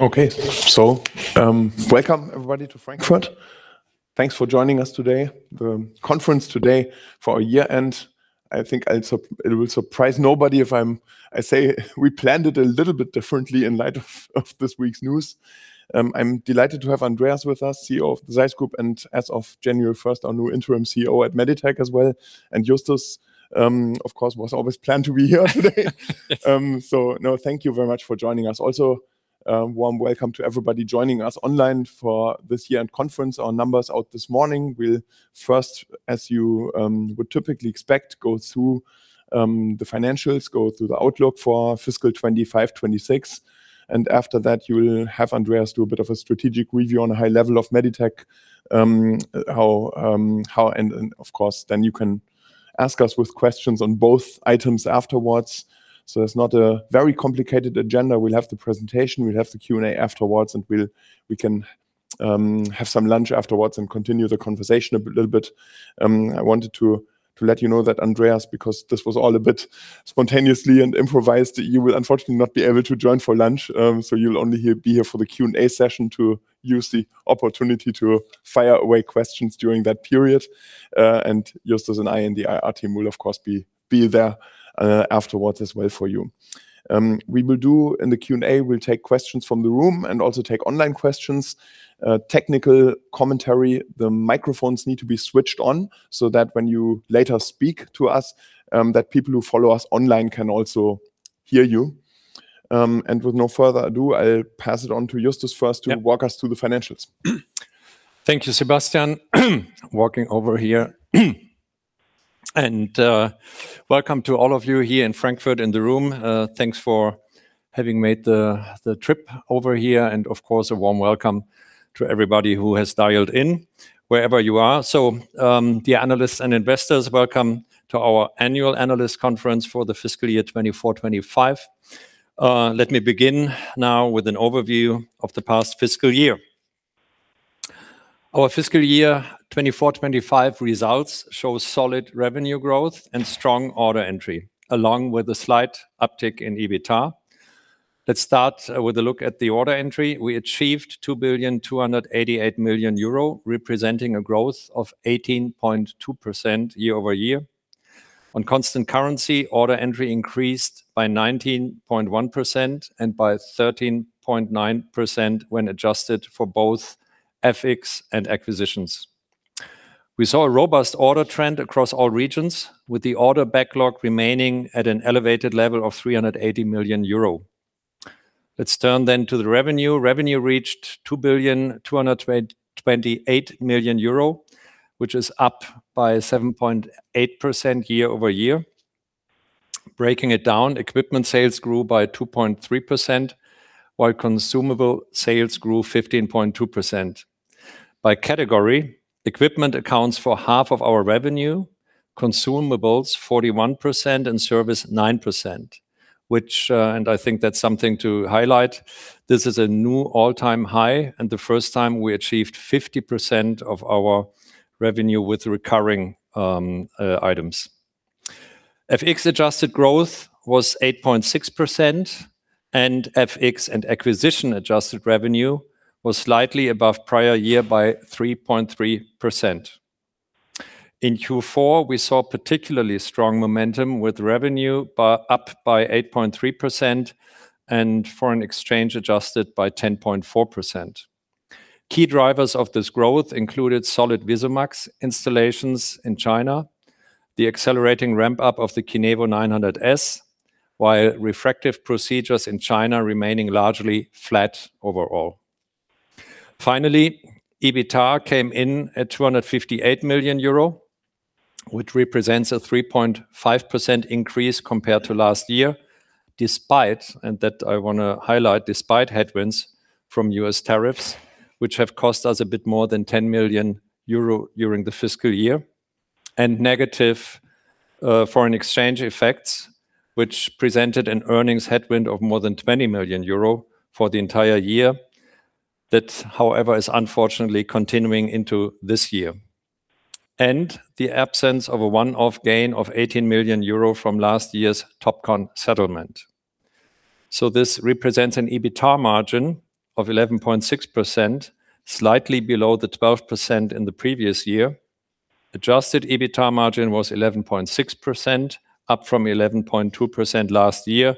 Okay, so welcome everybody to Frankfurt. Thanks for joining us today. The conference today for our year-end, I think it will surprise nobody if I say we planned it a little bit differently in light of this week's news. I'm delighted to have Andreas with us, CEO of the ZEISS Group, and as of January 1st, our new interim CEO at Meditec as well. And Justus, of course, was always planned to be here today. So no, thank you very much for joining us. Also, warm welcome to everybody joining us online for this year-end conference. Our numbers out this morning will first, as you would typically expect, go through the financials, go through the outlook for fiscal 2025-2026. And after that, you will have Andreas do a bit of a strategic review on a high level of Meditec, and of course, then you can ask us with questions on both items afterwards, so it's not a very complicated agenda. We'll have the presentation, we'll have the Q&A afterwards, and we can have some lunch afterwards and continue the conversation a little bit. I wanted to let you know that Andreas, because this was all a bit spontaneously and improvised, you will unfortunately not be able to join for lunch, so you'll only be here for the Q&A session to use the opportunity to fire away questions during that period. And Justus and I and the IR team will, of course, be there afterwards as well for you. We will do in the Q&A. We'll take questions from the room and also take online questions, technical commentary. The microphones need to be switched on so that when you later speak to us, that people who follow us online can also hear you. With no further ado, I'll pass it on to Justus first to walk us through the financials. Thank you, Sebastian, walking over here and welcome to all of you here in Frankfurt in the room. Thanks for having made the trip over here and of course, a warm welcome to everybody who has dialed in wherever you are, so the analysts and investors, welcome to our annual analyst conference for the fiscal year 2024-2025. Let me begin now with an overview of the past fiscal year. Our fiscal year 2024-2025 results show solid revenue growth and strong order entry, along with a slight uptick in EBITDA. Let's start with a look at the order entry. We achieved 2,288,000,000 euro, representing a growth of 18.2% year-over-year. On constant currency, order entry increased by 19.1% and by 13.9% when adjusted for both FX and acquisitions. We saw a robust order trend across all regions, with the order backlog remaining at an elevated level of 380,000,000 euro. Let's turn then to the revenue. Revenue reached 2,228,000,000 euro, which is up by 7.8% year-over-year. Breaking it down, equipment sales grew by 2.3%, while consumable sales grew 15.2%. By category, equipment accounts for half of our revenue, consumables 41%, and service 9%, which, and I think that's something to highlight. This is a new all-time high and the first time we achieved 50% of our revenue with recurring, items. FX adjusted growth was 8.6%, and FX and acquisition adjusted revenue was slightly above prior year by 3.3%. In Q4, we saw particularly strong momentum with revenue up by 8.3% and foreign exchange adjusted by 10.4%. Key drivers of this growth included solid VisuMax installations in China, the accelerating ramp-up of the KINEVO 900 S, while refractive procedures in China remaining largely flat overall. Finally, EBITDA came in at 258,000,000 euro, which represents a 3.5% increase compared to last year, despite, and that I want to highlight, despite headwinds from U.S. tariffs, which have cost us a bit more than 10,000,000 euro during the fiscal year, and negative foreign exchange effects, which presented an earnings headwind of more than 20,000,000 euro for the entire year. That, however, is unfortunately continuing into this year, and the absence of a one-off gain of 18,000,000 euro from last year's Topcon settlement, so this represents an EBITDA margin of 11.6%, slightly below the 12% in the previous year. Adjusted EBITDA margin was 11.6%, up from 11.2% last year.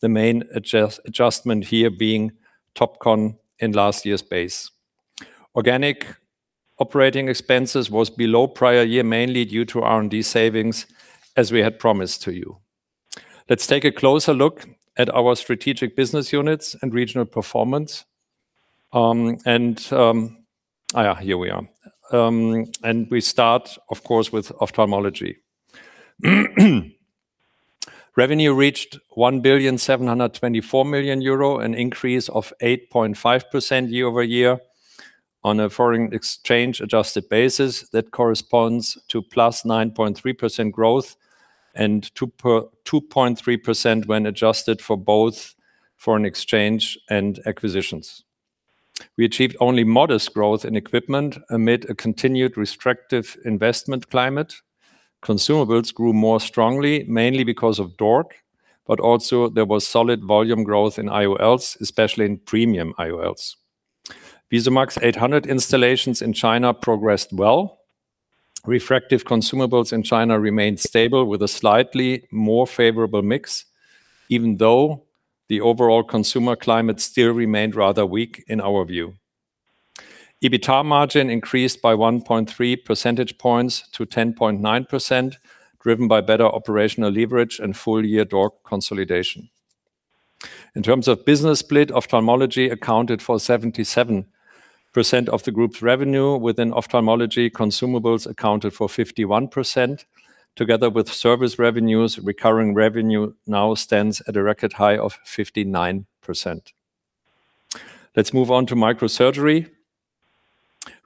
The main adjustment here being Topcon in last year's base. Organic operating expenses was below prior year, mainly due to R&D savings, as we had promised to you. Let's take a closer look at our strategic business units and regional performance. We start, of course, with Ophthalmology. Revenue reached 1,724,000,000 euro, an increase of 8.5% year-over-year on a foreign exchange adjusted basis that corresponds to +9.3% growth and 2.3% when adjusted for both foreign exchange and acquisitions. We achieved only modest growth in equipment amid a continued restrictive investment climate. Consumables grew more strongly, mainly because of DORC, but also there was solid volume growth in IOLs, especially in premium IOLs. VISUMAX 800 installations in China progressed well. Refractive consumables in China remained stable with a slightly more favorable mix, even though the overall consumer climate still remained rather weak in our view. EBITDA margin increased by 1.3 percentage points to 10.9%, driven by better operational leverage and full-year DORC consolidation. In terms of business split, Ophthalmology accounted for 77% of the group's revenue, within Ophthalmology, consumables accounted for 51%. Together with service revenues, recurring revenue now stands at a record high of 59%. Let's move on to Microsurgery.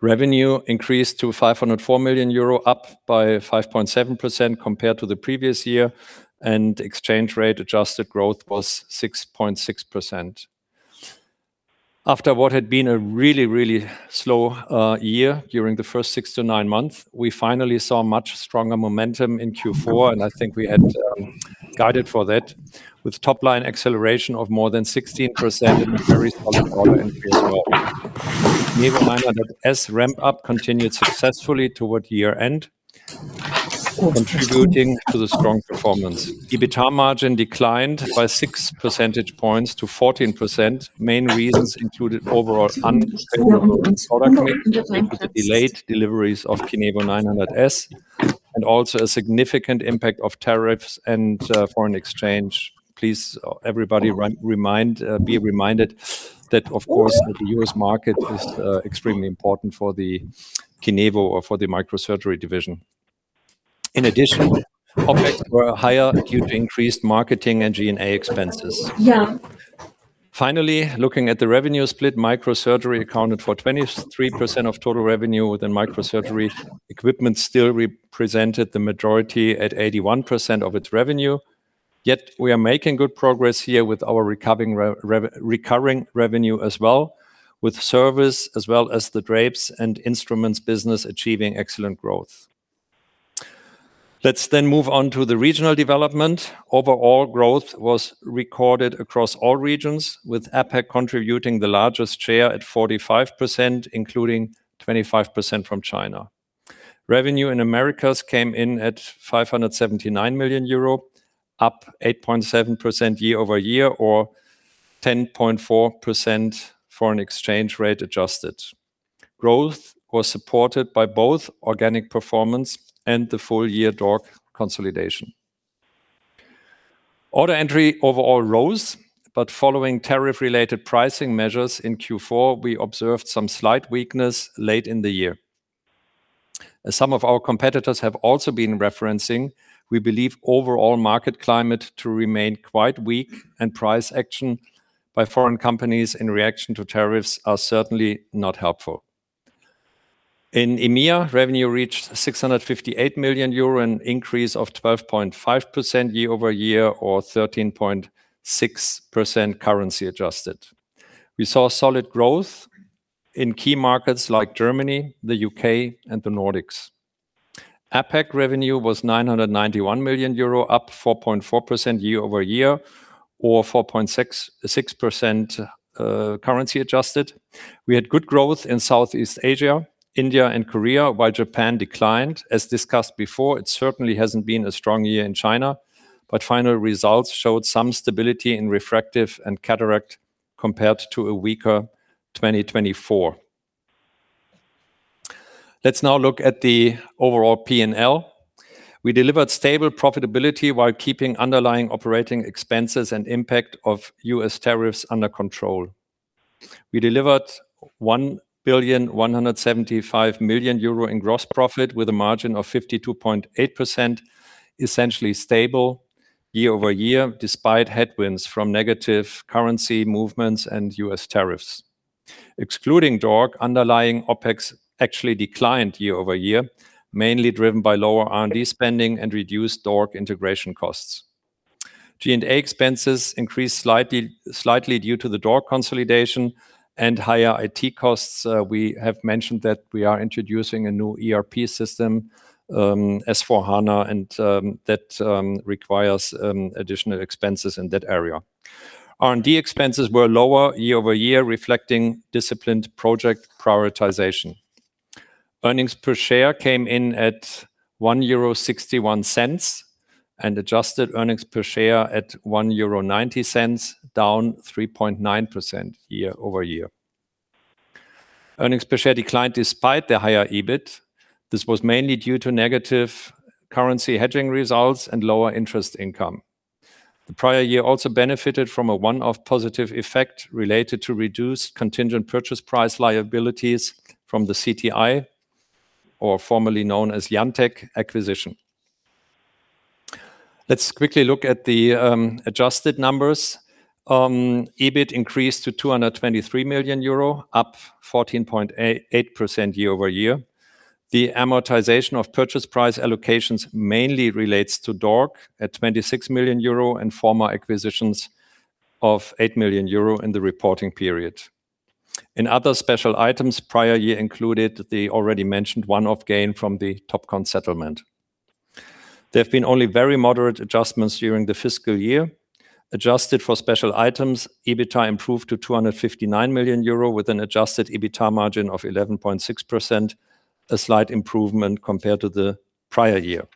Revenue increased to 504,000,000 euro, up by 5.7% compared to the previous year, and exchange rate adjusted growth was 6.6%. After what had been a really, really slow year during the first six to nine months, we finally saw much stronger momentum in Q4, and I think we had guided for that with top-line acceleration of more than 16% in a very solid order entry as well. KINEVO 900 S ramp-up continued successfully toward year-end, contributing to the strong performance. EBITDA margin declined by six percentage points to 14%. Main reasons included overall unstable order connection due to delayed deliveries of KINEVO 900 S and also a significant impact of tariffs and foreign exchange. Please, everybody, be reminded that, of course, the U.S. market is extremely important for the KINEVO or for the Microsurgery division. In addition, Ophthalmology were higher due to increased marketing and G&A expenses. Yeah. Finally, looking at the revenue split, Microsurgery accounted for 23% of total revenue within Microsurgery. Equipment still represented the majority at 81% of its revenue. Yet we are making good progress here with our recovering revenue as well, with service as well as the drapes and instruments business achieving excellent growth. Let's then move on to the regional development. Overall growth was recorded across all regions, with APAC contributing the largest share at 45%, including 25% from China. Revenue in Americas came in at 579,000,000 euro, up 8.7% year-over-year or 10.4% foreign exchange rate adjusted. Growth was supported by both organic performance and the full-year DORC consolidation. Order entry overall rose, but following tariff-related pricing measures in Q4, we observed some slight weakness late in the year. As some of our competitors have also been referencing, we believe overall market climate to remain quite weak and price action by foreign companies in reaction to tariffs are certainly not helpful. In EMEA, revenue reached 658,000,000 euro, an increase of 12.5% year-over-year or 13.6% currency adjusted. We saw solid growth in key markets like Germany, the U.K., and the Nordics. APAC revenue was 991,000,000 euro, up 4.4% year-over-year or 4.6% currency adjusted. We had good growth in Southeast Asia, India, and Korea, while Japan declined. As discussed before, it certainly hasn't been a strong year in China, but final results showed some stability in refractive and cataract compared to a weaker 2024. Let's now look at the overall P&L. We delivered stable profitability while keeping underlying operating expenses and impact of U.S. tariffs under control. We delivered 1.175 billion in gross profit with a margin of 52.8%, essentially stable year-over-year despite headwinds from negative currency movements and U.S. tariffs. Excluding DORC, underlying OpEx actually declined year-over-year, mainly driven by lower R&D spending and reduced DORC integration costs. G&A expenses increased slightly due to the DORC consolidation and higher IT costs. We have mentioned that we are introducing a new ERP system, SAP S/4HANA, and that requires additional expenses in that area. R&D expenses were lower year-over-year, reflecting disciplined project prioritization. Earnings per share came in at 1.61 euro and adjusted earnings per share at 1.90 euro, down 3.9% year-over-year. Earnings per share declined despite the higher EBIT. This was mainly due to negative currency hedging results and lower interest income. The prior year also benefited from a one-off positive effect related to reduced contingent purchase price liabilities from the CTI, or formerly known as IanTECH acquisition. Let's quickly look at the adjusted numbers. EBIT increased to 223,000,000 euro, up 14.8% year-over-year. The amortization of purchase price allocations mainly relates to DORC at 26,000,000 euro and former acquisitions of 8,000,000 euro in the reporting period. In other special items, prior year included the already mentioned one-off gain from the Topcon settlement. There have been only very moderate adjustments during the fiscal year. Adjusted for special items, EBITDA improved to 259,000,000 euro with an adjusted EBITDA margin of 11.6%, a slight improvement compared to the prior year.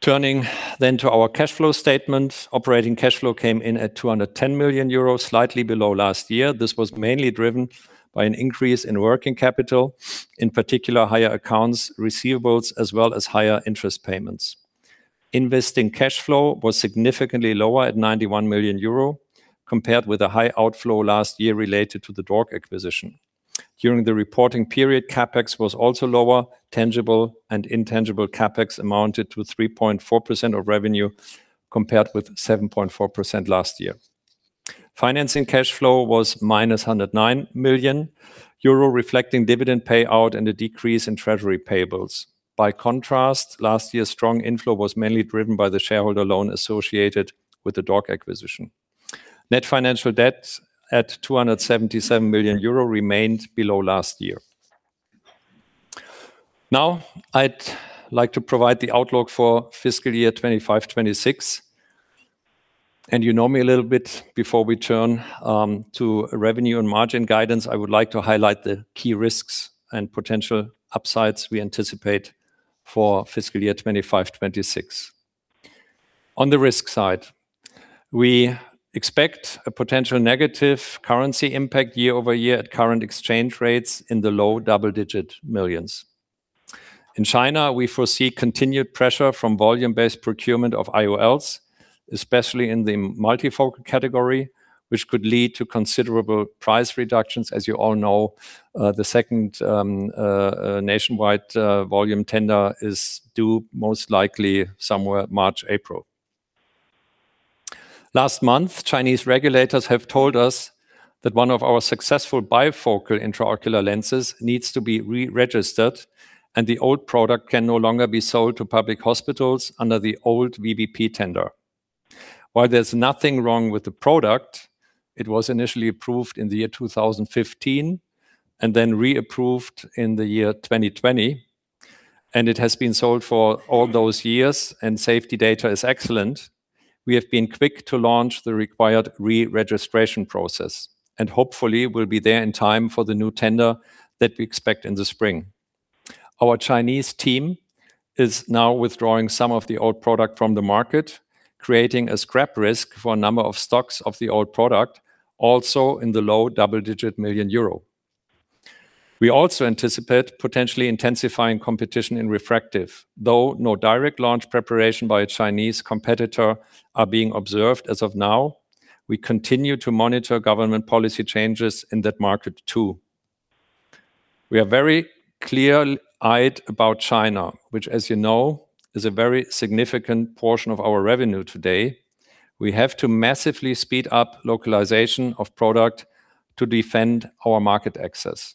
Turning then to our cash flow statement, operating cash flow came in at 210,000,000 euros, slightly below last year. This was mainly driven by an increase in working capital, in particular higher accounts receivables, as well as higher interest payments. Investing cash flow was significantly lower at 91,000,000 euro compared with a high outflow last year related to the DORC acquisition. During the reporting period, CapEx was also lower. Tangible and intangible CapEx amounted to 3.4% of revenue compared with 7.4% last year. Financing cash flow was -109,000,000 euro, reflecting dividend payout and a decrease in treasury payables. By contrast, last year's strong inflow was mainly driven by the shareholder loan associated with the DORC acquisition. Net financial debt at 277,000,000 euro remained below last year. Now, I'd like to provide the outlook for fiscal year 2025-2026. And you know me a little bit before we turn to revenue and margin guidance, I would like to highlight the key risks and potential upsides we anticipate for fiscal year 2025-2026. On the risk side, we expect a potential negative currency impact year-over-year at current exchange rates in the low double-digit millions. In China, we foresee continued pressure from volume-based procurement of IOLs, especially in the multifocal category, which could lead to considerable price reductions. As you all know, the second nationwide volume tender is due most likely somewhere in March-April. Last month, Chinese regulators have told us that one of our successful bifocal intraocular lenses needs to be re-registered, and the old product can no longer be sold to public hospitals under the old VBP tender. While there's nothing wrong with the product, it was initially approved in the year 2015 and then re-approved in the year 2020, and it has been sold for all those years, and safety data is excellent. We have been quick to launch the required re-registration process and hopefully will be there in time for the new tender that we expect in the spring. Our Chinese team is now withdrawing some of the old product from the market, creating a scrap risk for a number of stocks of the old product, also in the low double-digit million EUR. We also anticipate potentially intensifying competition in refractive, though no direct launch preparation by a Chinese competitor is being observed as of now. We continue to monitor government policy changes in that market too. We are very clear-eyed about China, which, as you know, is a very significant portion of our revenue today. We have to massively speed up localization of product to defend our market access.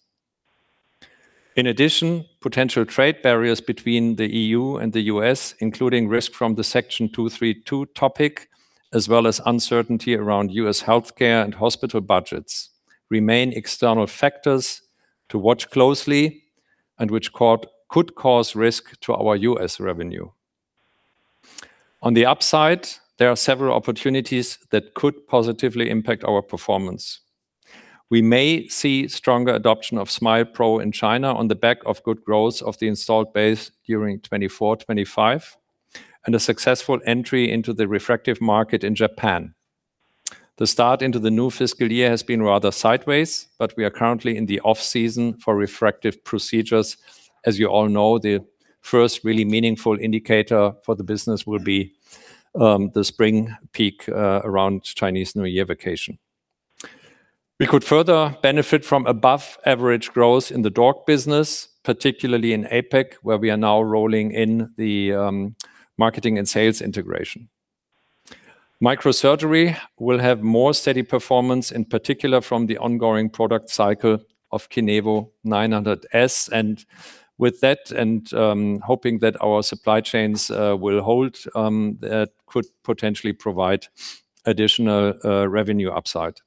In addition, potential trade barriers between the E.U. and the U.S., including risk from the Section 232 topic, as well as uncertainty around U.S. healthcare and hospital budgets, remain external factors to watch closely and which could cause risk to our U.S. revenue. On the upside, there are several opportunities that could positively impact our performance. We may see stronger adoption of SMILE pro in China on the back of good growth of the installed base during 2024-2025 and a successful entry into the refractive market in Japan. The start into the new fiscal year has been rather sideways, but we are currently in the off-season for refractive procedures. As you all know, the first really meaningful indicator for the business will be the spring peak around Chinese New Year vacation. We could further benefit from above-average growth in the DORC business, particularly in APAC, where we are now rolling in the marketing and sales integration. Microsurgery will have more steady performance, in particular from the ongoing product cycle of KINEVO 900 S. And with that, and hoping that our supply chains will hold, that could potentially provide additional revenue upside.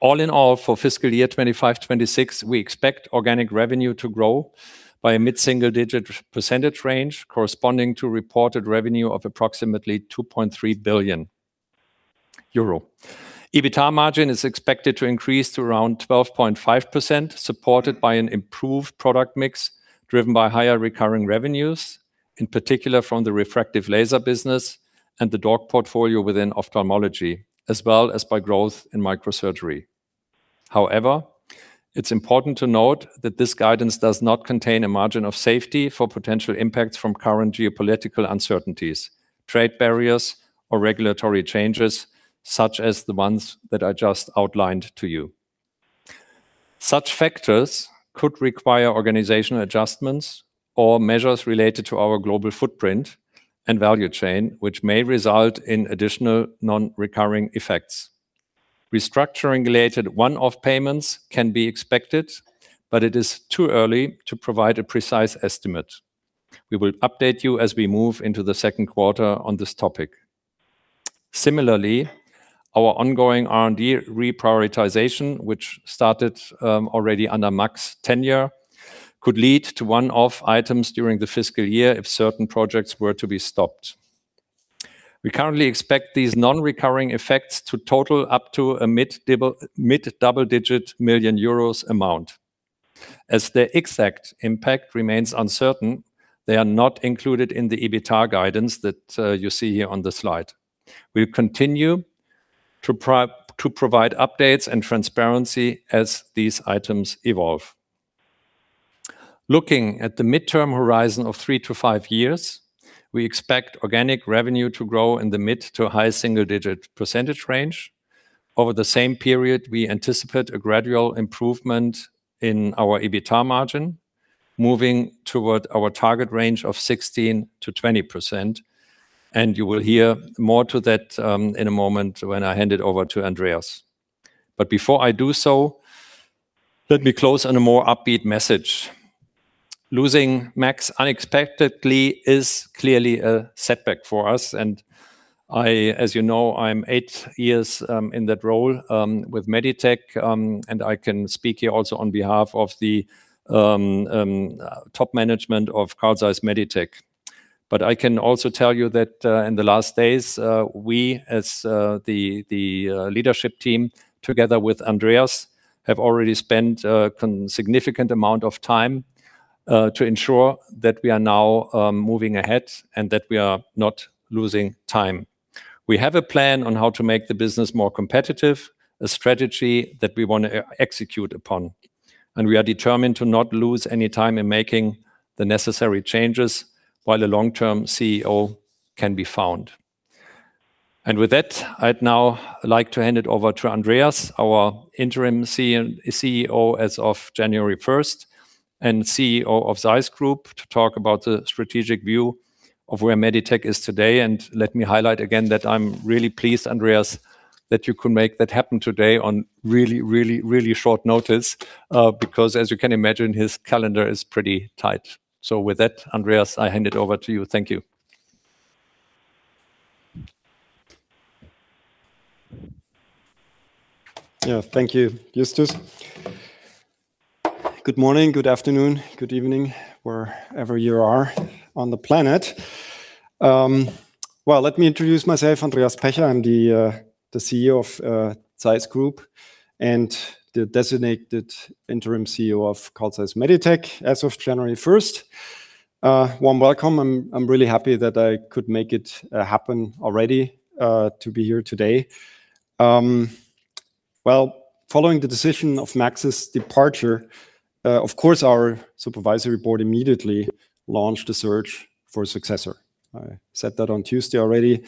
All in all, for fiscal year 2025-2026, we expect organic revenue to grow by a mid-single-digit percentage range corresponding to reported revenue of approximately 2.3 billion euro. EBITDA margin is expected to increase to around 12.5%, supported by an improved product mix driven by higher recurring revenues, in particular from the refractive laser business and the DORC portfolio within Ophthalmology, as well as by growth in Microsurgery. However, it's important to note that this guidance does not contain a margin of safety for potential impacts from current geopolitical uncertainties, trade barriers, or regulatory changes such as the ones that I just outlined to you. Such factors could require organizational adjustments or measures related to our global footprint and value chain, which may result in additional non-recurring effects. Restructuring-related one-off payments can be expected, but it is too early to provide a precise estimate. We will update you as we move into the second quarter on this topic. Similarly, our ongoing R&D reprioritization, which started already under Max's tenure, could lead to one-off items during the fiscal year if certain projects were to be stopped. We currently expect these non-recurring effects to total up to a mid-double-digit million EUR amount. As the exact impact remains uncertain, they are not included in the EBITDA guidance that you see here on the slide. We continue to provide updates and transparency as these items evolve. Looking at the midterm horizon of three to five years, we expect organic revenue to grow in the mid to high single-digit percentage range. Over the same period, we anticipate a gradual improvement in our EBITDA margin, moving toward our target range of 16%-20%. And you will hear more to that in a moment when I hand it over to Andreas. But before I do so, let me close on a more upbeat message. Losing Max unexpectedly is clearly a setback for us. And I, as you know, I'm eight years in that role with Meditec, and I can speak here also on behalf of the top management of Carl Zeiss Meditec. But I can also tell you that in the last days, we, as the leadership team, together with Andreas, have already spent a significant amount of time to ensure that we are now moving ahead and that we are not losing time. We have a plan on how to make the business more competitive, a strategy that we want to execute upon. We are determined to not lose any time in making the necessary changes while a long-term CEO can be found. With that, I'd now like to hand it over to Andreas, our Interim CEO as of January 1st and CEO of ZEISS Group, to talk about the strategic view of where Meditec is today. And let me highlight again that I'm really pleased, Andreas, that you could make that happen today on really, really, really short notice, because, as you can imagine, his calendar is pretty tight. So with that, Andreas, I hand it over to you. Thank you. Yeah, thank you, Justus. Good morning, good afternoon, good evening, wherever you are on the planet. Well, let me introduce myself. Andreas Pecher, I'm the CEO of ZEISS Group and the designated interim CEO of Carl Zeiss Meditec as of January 1st. Warm welcome. I'm really happy that I could make it happen already to be here today. Well, following the decision of Max's departure, of course, our supervisory board immediately launched the search for a successor. I said that on Tuesday already.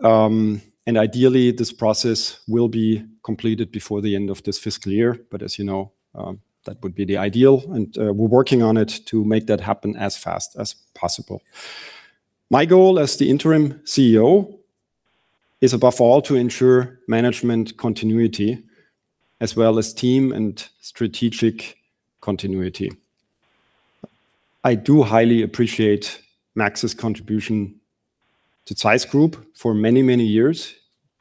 And ideally, this process will be completed before the end of this fiscal year. But as you know, that would be the ideal. And we're working on it to make that happen as fast as possible. My goal as the Interim CEO is, above all, to ensure management continuity, as well as team and strategic continuity. I do highly appreciate Max's contribution to ZEISS Group for many, many years.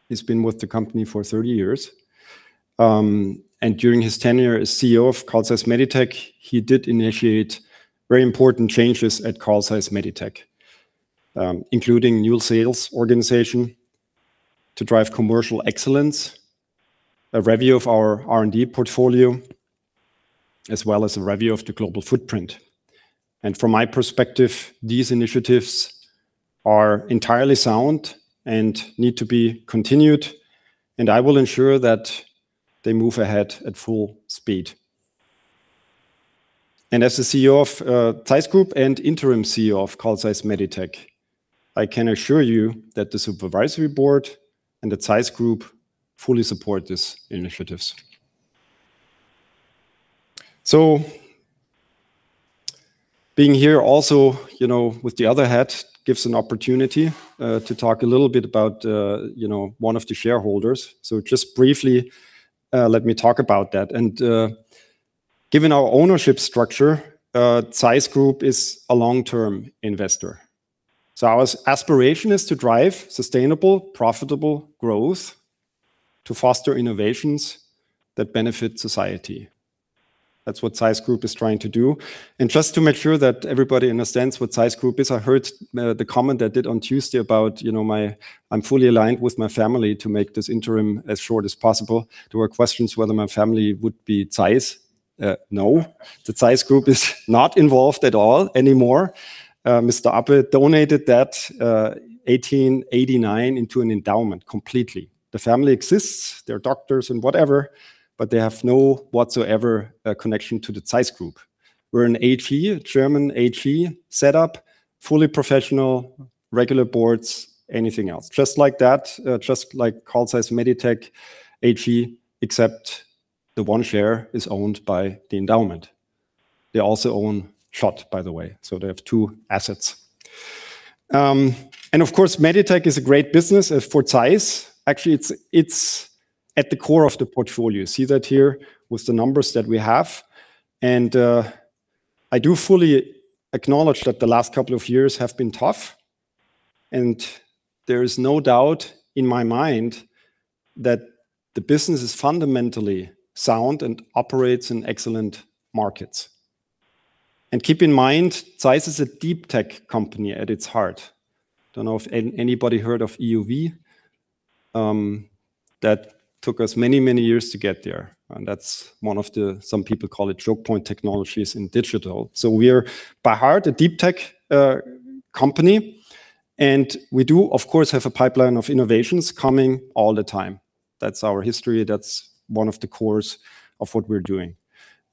He's been with the company for 30 years. And during his tenure as CEO of Carl Zeiss Meditec, he did initiate very important changes at Carl Zeiss Meditec, including new sales organization to drive commercial excellence, a review of our R&D portfolio, as well as a review of the global footprint. And from my perspective, these initiatives are entirely sound and need to be continued. And I will ensure that they move ahead at full speed. As the CEO of ZEISS Group and interim CEO of Carl Zeiss Meditec, I can assure you that the supervisory board and the ZEISS Group fully support these initiatives. So being here also, you know, with the other hat gives an opportunity to talk a little bit about, you know, one of the shareholders. So just briefly, let me talk about that. And given our ownership structure, ZEISS Group is a long-term investor. So our aspiration is to drive sustainable, profitable growth to foster innovations that benefit society. That's what ZEISS Group is trying to do. And just to make sure that everybody understands what ZEISS Group is, I heard the comment I did on Tuesday about, you know, I'm fully aligned with my family to make this interim as short as possible. There were questions whether my family would be ZEISS. No. The ZEISS Group is not involved at all anymore. Mr. Abbe donated that in 1889 into an endowment completely. The family exists, they're doctors and whatever, but they have no whatsoever connection to the ZEISS Group. We're an AG, German AG setup, fully professional, regular boards, anything else. Just like that, just like Carl Zeiss Meditec AG, except the one share is owned by the endowment. They also own Schott, by the way. So they have two assets. And of course, Meditec is a great business for ZEISS. Actually, it's at the core of the portfolio. See that here with the numbers that we have. And I do fully acknowledge that the last couple of years have been tough. And there is no doubt in my mind that the business is fundamentally sound and operates in excellent markets. And keep in mind, ZEISS is a deep tech company at its heart. I don't know if anybody heard of EUV. That took us many, many years to get there. And that's one of the, some people call it, choke point technologies in digital. So we're at heart a deep tech company. And we do, of course, have a pipeline of innovations coming all the time. That's our history. That's one of the cores of what we're doing.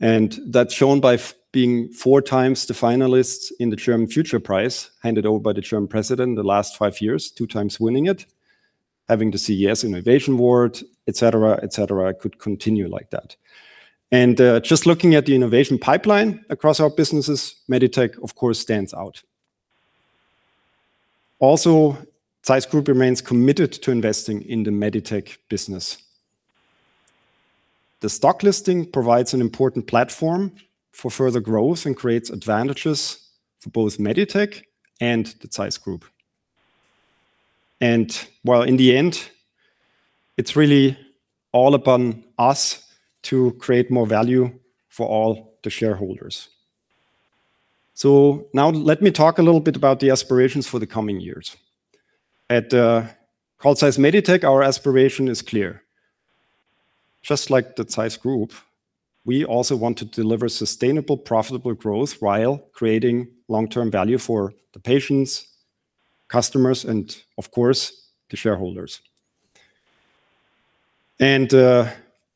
And that's shown by being 4x the finalists in the German Future Prize, handed over by the German president in the last five years, 2x winning it, having the CES Innovation Award, et cetera, et cetera. It could continue like that. And just looking at the innovation pipeline across our businesses, Meditec, of course, stands out. Also, ZEISS Group remains committed to investing in the Meditec business. The stock listing provides an important platform for further growth and creates advantages for both Meditec and the ZEISS Group. And well, in the end, it's really all upon us to create more value for all the shareholders. So now let me talk a little bit about the aspirations for the coming years. At Carl Zeiss Meditec, our aspiration is clear. Just like the ZEISS Group, we also want to deliver sustainable, profitable growth while creating long-term value for the patients, customers, and of course, the shareholders. And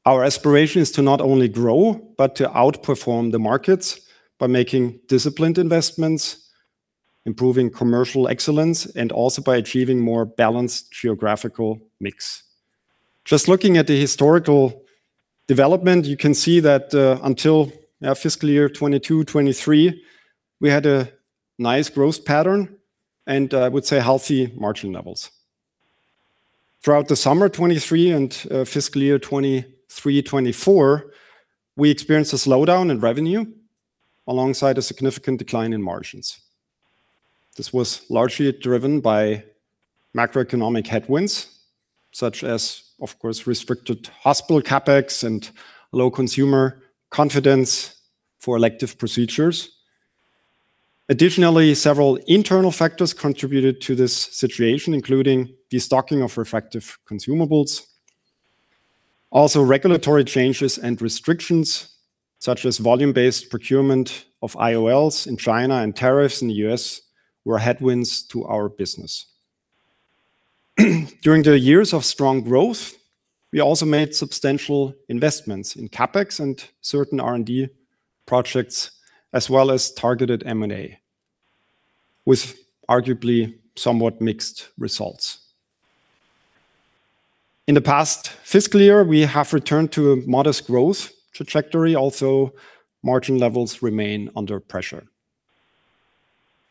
our aspiration is to not only grow, but to outperform the markets by making disciplined investments, improving commercial excellence, and also by achieving more balanced geographical mix. Just looking at the historical development, you can see that until fiscal year 2022-2023, we had a nice growth pattern and I would say healthy margin levels. Throughout the summer 2023 and fiscal year 2023-2024, we experienced a slowdown in revenue alongside a significant decline in margins. This was largely driven by macroeconomic headwinds such as, of course, restricted hospital CapEx and low consumer confidence for elective procedures. Additionally, several internal factors contributed to this situation, including the stocking of refractive consumables. Also, regulatory changes and restrictions such as volume-based procurement of IOLs in China and tariffs in the U.S. were headwinds to our business. During the years of strong growth, we also made substantial investments in CapEx and certain R&D projects, as well as targeted M&A with arguably somewhat mixed results. In the past fiscal year, we have returned to a modest growth trajectory. Also, margin levels remain under pressure.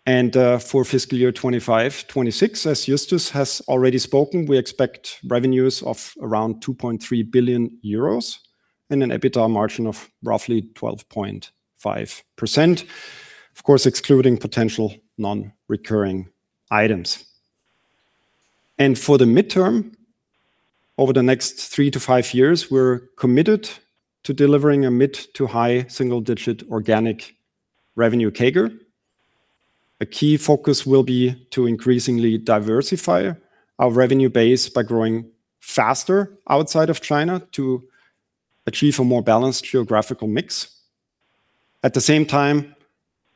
And for fiscal year 2025-2026, as Justus has already spoken, we expect revenues of around 2.3 billion euros and an EBITDA margin of roughly 12.5%, of course, excluding potential non-recurring items. And for the midterm, over the next three to five years, we're committed to delivering a mid to high single-digit organic revenue CAGR. A key focus will be to increasingly diversify our revenue base by growing faster outside of China to achieve a more balanced geographical mix. At the same time,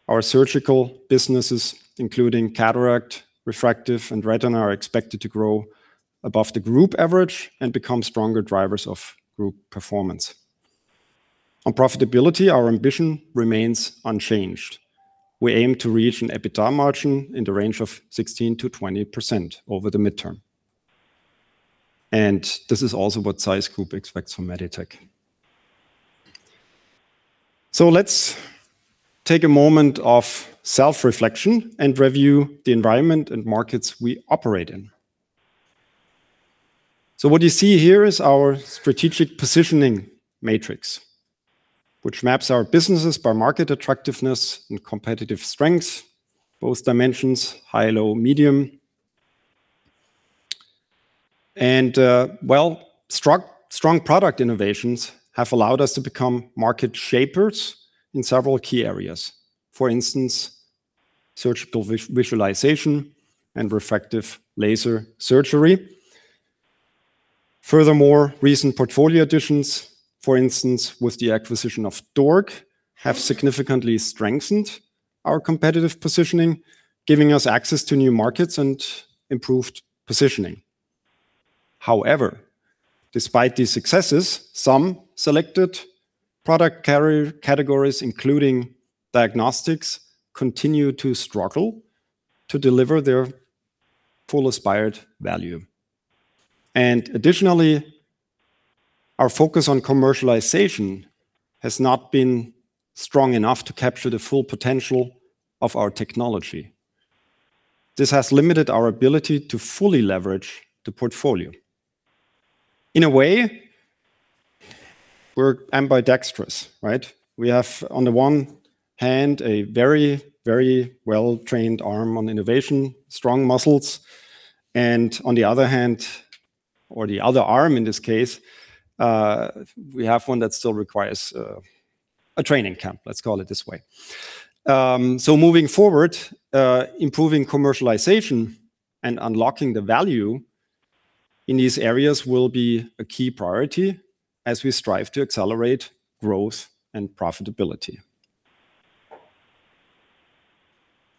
our surgical businesses, including cataract, refractive, and retina, are expected to grow above the group average and become stronger drivers of group performance. On profitability, our ambition remains unchanged. We aim to reach an EBITDA margin in the range of 16%-20% over the midterm. And this is also what ZEISS Group expects from Meditec. So let's take a moment of self-reflection and review the environment and markets we operate in. So what you see here is our strategic positioning matrix, which maps our businesses by market attractiveness and competitive strength, both dimensions, high, low, medium. And well, strong product innovations have allowed us to become market shapers in several key areas. For instance, surgical visualization and refractive laser surgery. Furthermore, recent portfolio additions, for instance, with the acquisition of DORC, have significantly strengthened our competitive positioning, giving us access to new markets and improved positioning. However, despite these successes, some selected product categories, including diagnostics, continue to struggle to deliver their full aspired value. And additionally, our focus on commercialization has not been strong enough to capture the full potential of our technology. This has limited our ability to fully leverage the portfolio. In a way, we're ambidextrous, right? We have, on the one hand, a very, very well-trained arm on innovation, strong muscles. And on the other hand, or the other arm in this case, we have one that still requires a training camp, let's call it this way. So moving forward, improving commercialization and unlocking the value in these areas will be a key priority as we strive to accelerate growth and profitability.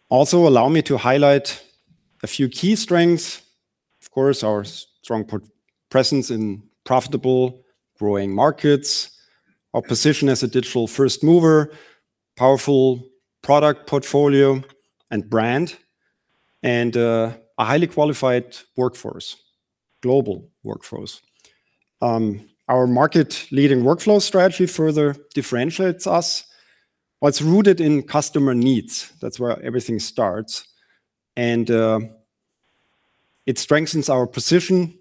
Also, allow me to highlight a few key strengths. Of course, our strong presence in profitable, growing markets, our position as a digital first mover, powerful product portfolio and brand, and a highly qualified workforce, global workforce. Our market-leading workflow strategy further differentiates us. It's rooted in customer needs. That's where everything starts. And it strengthens our position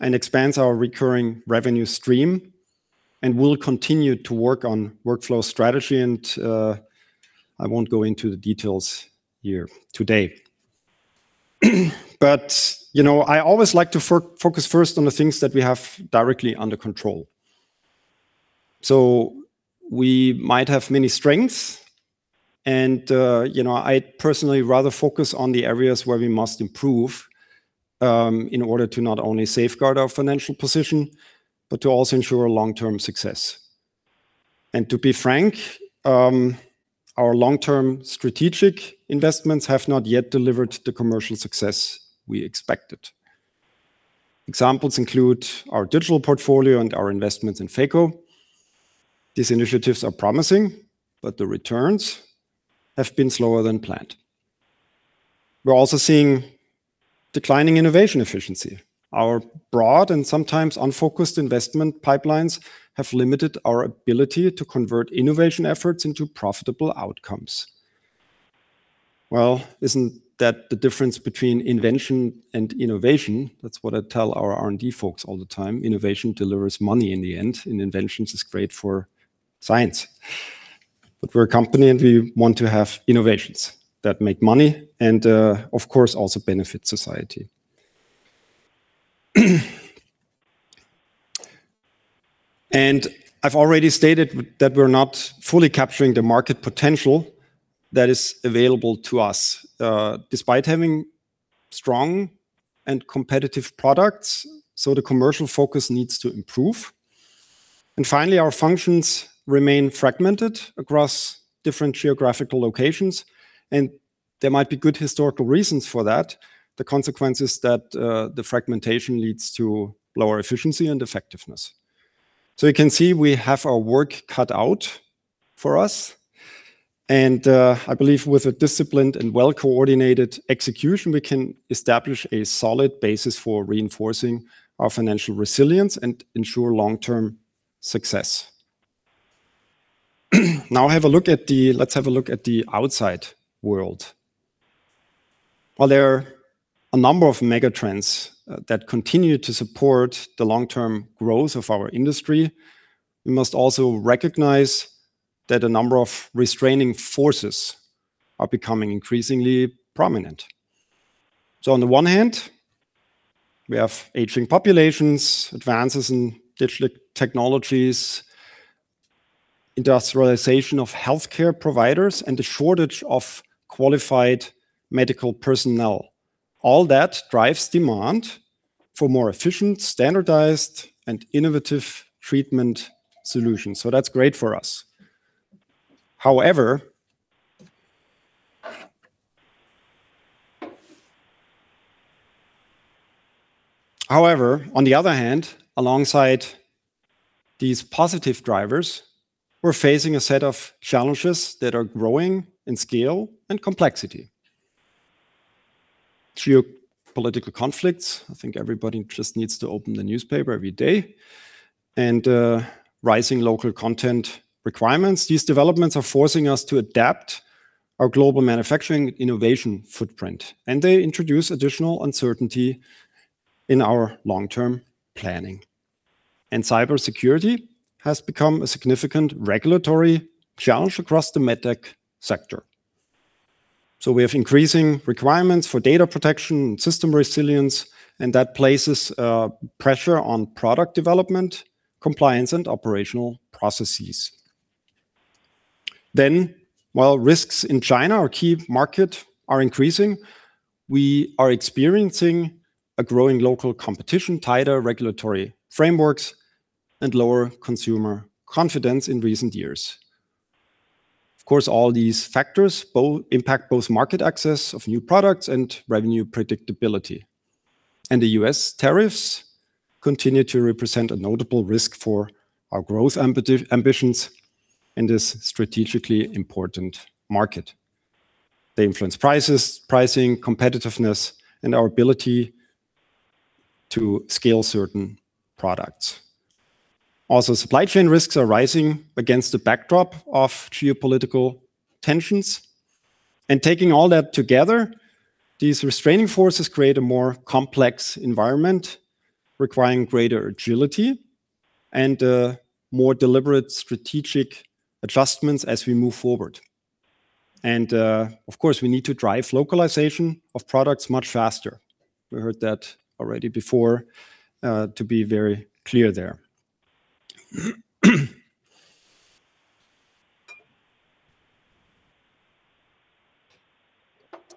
and expands our recurring revenue stream. And we'll continue to work on workflow strategy. And I won't go into the details here today. You know, I always like to focus first on the things that we have directly under control. So we might have many strengths. And, you know, I personally rather focus on the areas where we must improve in order to not only safeguard our financial position, but to also ensure long-term success. And to be frank, our long-term strategic investments have not yet delivered the commercial success we expected. Examples include our digital portfolio and our investments in phacoemulsification. These initiatives are promising, but the returns have been slower than planned. We're also seeing declining innovation efficiency. Our broad and sometimes unfocused investment pipelines have limited our ability to convert innovation efforts into profitable outcomes. Well, isn't that the difference between invention and innovation? That's what I tell our R&D folks all the time. Innovation delivers money in the end. And inventions is great for science. But we're a company and we want to have innovations that make money and, of course, also benefit society. And I've already stated that we're not fully capturing the market potential that is available to us despite having strong and competitive products. So the commercial focus needs to improve. And finally, our functions remain fragmented across different geographical locations. And there might be good historical reasons for that. The consequence is that the fragmentation leads to lower efficiency and effectiveness. So you can see we have our work cut out for us. And I believe with a disciplined and well-coordinated execution, we can establish a solid basis for reinforcing our financial resilience and ensure long-term success. Now, let's have a look at the outside world. Well, there are a number of megatrends that continue to support the long-term growth of our industry. We must also recognize that a number of restraining forces are becoming increasingly prominent. So on the one hand, we have aging populations, advances in digital technologies, industrialization of healthcare providers, and the shortage of qualified medical personnel. All that drives demand for more efficient, standardized, and innovative treatment solutions. So that's great for us. However, on the other hand, alongside these positive drivers, we're facing a set of challenges that are growing in scale and complexity. Geopolitical conflicts, I think everybody just needs to open the newspaper every day, and rising local content requirements. These developments are forcing us to adapt our global manufacturing innovation footprint. And they introduce additional uncertainty in our long-term planning. And cybersecurity has become a significant regulatory challenge across the medtech sector. So we have increasing requirements for data protection and system resilience, and that places pressure on product development, compliance, and operational processes. Then, while risks in China, our key market, are increasing, we are experiencing a growing local competition, tighter regulatory frameworks, and lower consumer confidence in recent years. Of course, all these factors impact both market access of new products and revenue predictability. And the U.S. tariffs continue to represent a notable risk for our growth ambitions in this strategically important market. They influence prices, pricing, competitiveness, and our ability to scale certain products. Also, supply chain risks are rising against the backdrop of geopolitical tensions. And taking all that together, these restraining forces create a more complex environment, requiring greater agility and more deliberate strategic adjustments as we move forward. And of course, we need to drive localization of products much faster. We heard that already before, to be very clear there.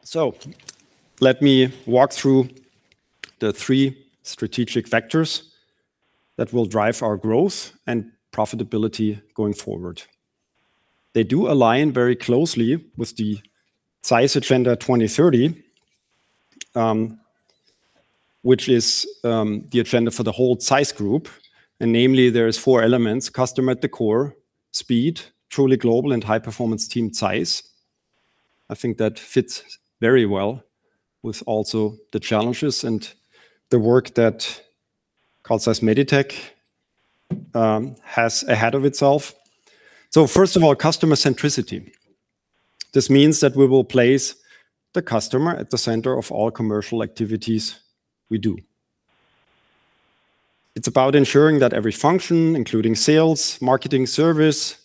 So let me walk through the three strategic vectors that will drive our growth and profitability going forward. They do align very closely with the ZEISS Agenda 2030, which is the agenda for the whole ZEISS Group, and namely, there are four elements: customer at the core, speed, truly global, and high-performance team ZEISS. I think that fits very well with also the challenges and the work that Carl Zeiss Meditec has ahead of itself, so first of all, customer centricity. This means that we will place the customer at the center of all commercial activities we do. It's about ensuring that every function, including sales, marketing, service,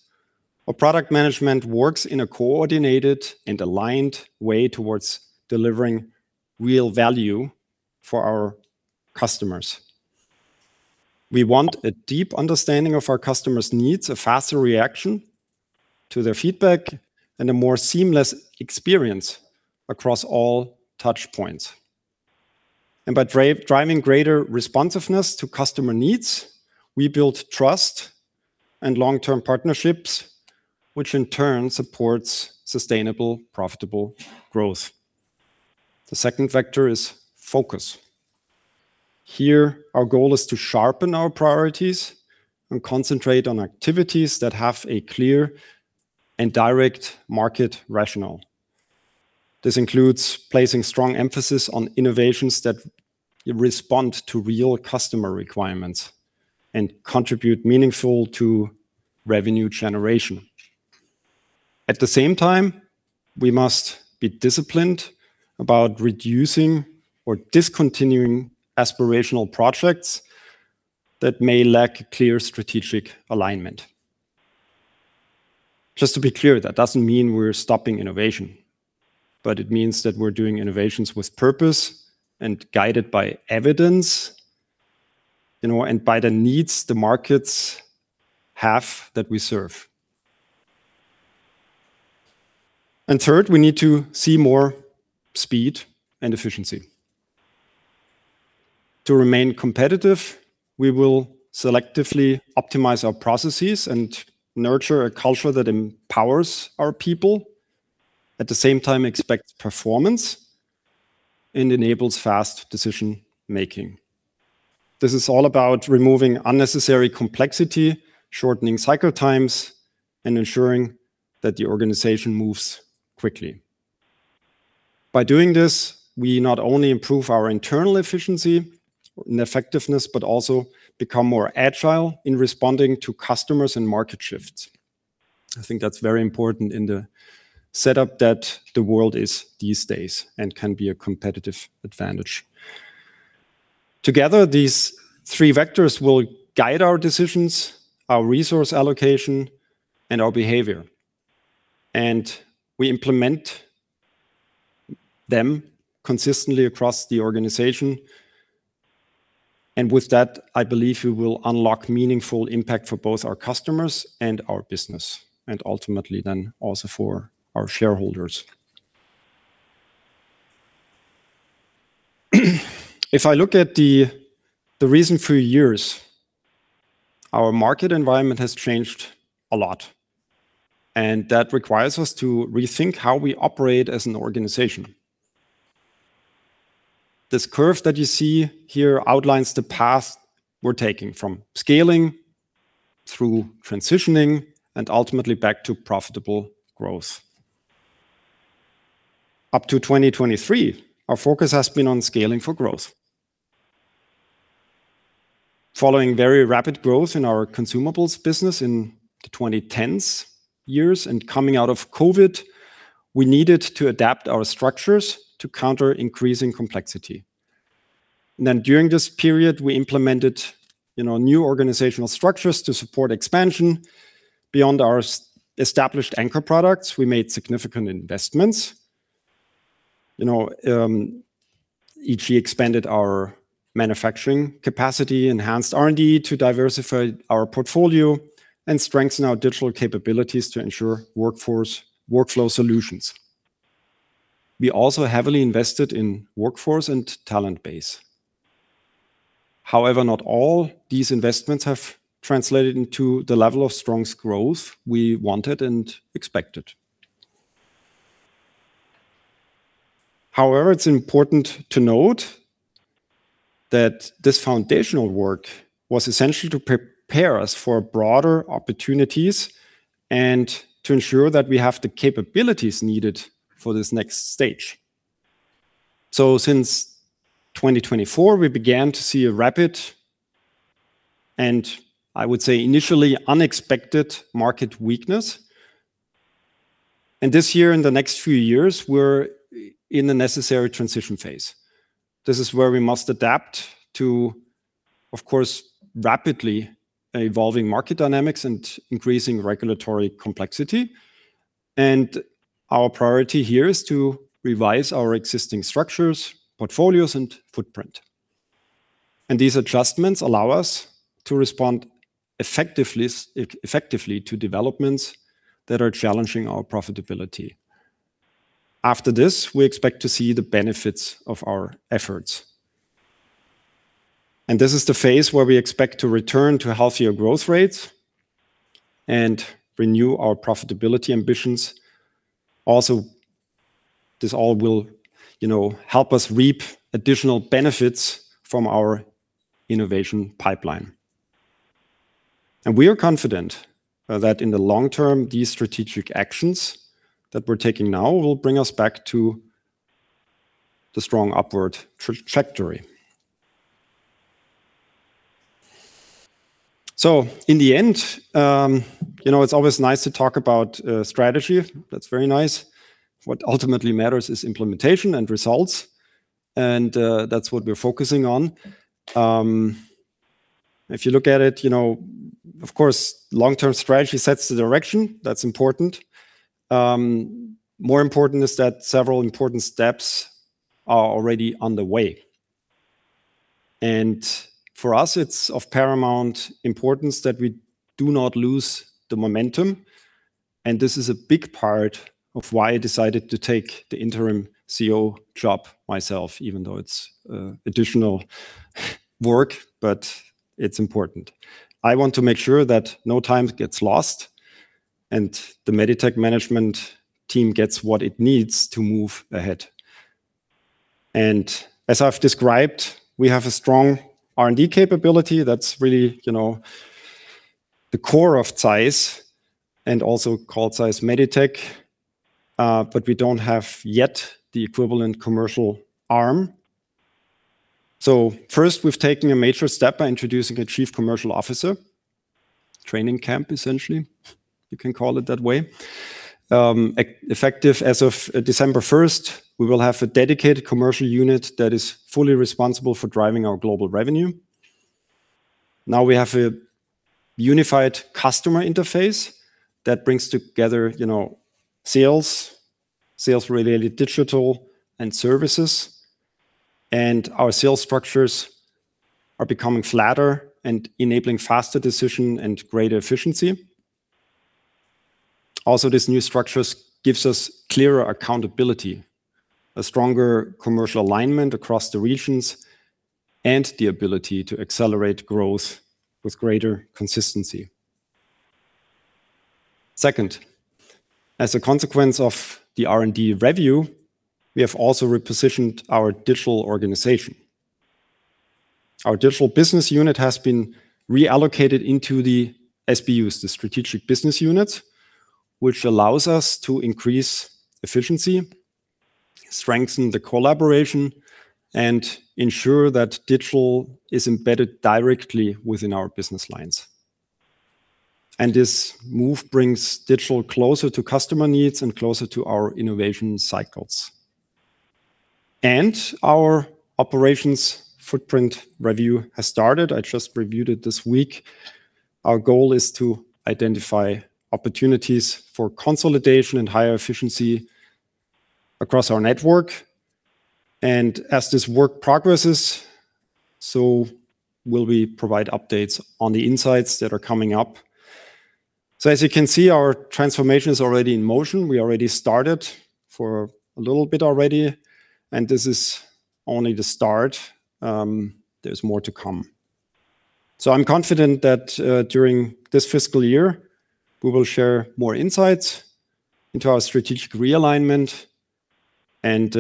or product management, works in a coordinated and aligned way towards delivering real value for our customers. We want a deep understanding of our customers' needs, a faster reaction to their feedback, and a more seamless experience across all touchpoints. And by driving greater responsiveness to customer needs, we build trust and long-term partnerships, which in turn supports sustainable, profitable growth. The second vector is focus. Here, our goal is to sharpen our priorities and concentrate on activities that have a clear and direct market rationale. This includes placing strong emphasis on innovations that respond to real customer requirements and contribute meaningfully to revenue generation. At the same time, we must be disciplined about reducing or discontinuing aspirational projects that may lack clear strategic alignment. Just to be clear, that doesn't mean we're stopping innovation, but it means that we're doing innovations with purpose and guided by evidence, you know, and by the needs the markets have that we serve. And third, we need to see more speed and efficiency. To remain competitive, we will selectively optimize our processes and nurture a culture that empowers our people, at the same time expects performance and enables fast decision-making. This is all about removing unnecessary complexity, shortening cycle times, and ensuring that the organization moves quickly. By doing this, we not only improve our internal efficiency and effectiveness, but also become more agile in responding to customers and market shifts. I think that's very important in the setup that the world is these days and can be a competitive advantage. Together, these three vectors will guide our decisions, our resource allocation, and our behavior, and we implement them consistently across the organization, and with that, I believe we will unlock meaningful impact for both our customers and our business, and ultimately then also for our shareholders. If I look at the recent few years, our market environment has changed a lot. That requires us to rethink how we operate as an organization. This curve that you see here outlines the path we're taking from scaling through transitioning and ultimately back to profitable growth. Up to 2023, our focus has been on scaling for growth. Following very rapid growth in our consumables business in the 2010s years and coming out of COVID, we needed to adapt our structures to counter increasing complexity. And then during this period, we implemented, you know, new organizational structures to support expansion beyond our established anchor products. We made significant investments. You know, e.g., expanded our manufacturing capacity, enhanced R&D to diversify our portfolio, and strengthen our digital capabilities to ensure workflow solutions. We also heavily invested in workforce and talent base. However, not all these investments have translated into the level of strong growth we wanted and expected. However, it's important to note that this foundational work was essential to prepare us for broader opportunities and to ensure that we have the capabilities needed for this next stage. So since 2024, we began to see a rapid, and I would say initially unexpected, market weakness. And this year, in the next few years, we're in a necessary transition phase. This is where we must adapt to, of course, rapidly evolving market dynamics and increasing regulatory complexity. And our priority here is to revise our existing structures, portfolios, and footprint. And these adjustments allow us to respond effectively to developments that are challenging our profitability. After this, we expect to see the benefits of our efforts. And this is the phase where we expect to return to healthier growth rates and renew our profitability ambitions. Also, this all will, you know, help us reap additional benefits from our innovation pipeline, and we are confident that in the long term, these strategic actions that we're taking now will bring us back to the strong upward trajectory, so in the end, you know, it's always nice to talk about strategy. That's very nice. What ultimately matters is implementation and results, and that's what we're focusing on. If you look at it, you know, of course, long-term strategy sets the direction. That's important. More important is that several important steps are already on the way, and for us, it's of paramount importance that we do not lose the momentum, and this is a big part of why I decided to take the Interim CEO job myself, even though it's additional work, but it's important. I want to make sure that no time gets lost and the Meditec management team gets what it needs to move ahead. And as I've described, we have a strong R&D capability. That's really, you know, the core of ZEISS and also Carl Zeiss Meditec, but we don't have yet the equivalent commercial arm. So first, we've taken a major step by introducing a chief commercial officer training camp, essentially. You can call it that way. Effective as of December 1st, we will have a dedicated commercial unit that is fully responsible for driving our global revenue. Now we have a unified customer interface that brings together, you know, sales, sales-related digital and services, and our sales structures are becoming flatter and enabling faster decision and greater efficiency. Also, this new structure gives us clearer accountability, a stronger commercial alignment across the regions, and the ability to accelerate growth with greater consistency. Second, as a consequence of the R&D review, we have also repositioned our digital organization. Our digital business unit has been reallocated into the SBUs, the strategic business units, which allows us to increase efficiency, strengthen the collaboration, and ensure that digital is embedded directly within our business lines. And this move brings digital closer to customer needs and closer to our innovation cycles. And our operations footprint review has started. I just reviewed it this week. Our goal is to identify opportunities for consolidation and higher efficiency across our network. And as this work progresses, so will we provide updates on the insights that are coming up. So as you can see, our transformation is already in motion. We already started for a little bit already, and this is only the start. There's more to come. So I'm confident that during this fiscal year, we will share more insights into our strategic realignment, and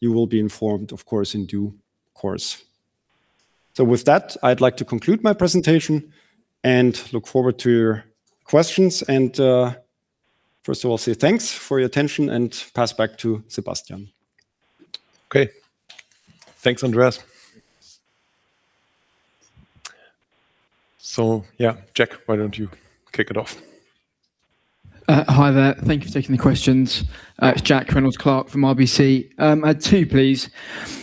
you will be informed, of course, in due course. So with that, I'd like to conclude my presentation and look forward to your questions. And first of all, say thanks for your attention and pass back to Sebastian. Okay. Thanks, Andreas. So yeah, Jack, why don't you kick it off? Hi there. Thank you for taking the questions. It's Jack Reynolds-Clark from RBC. I had two, please.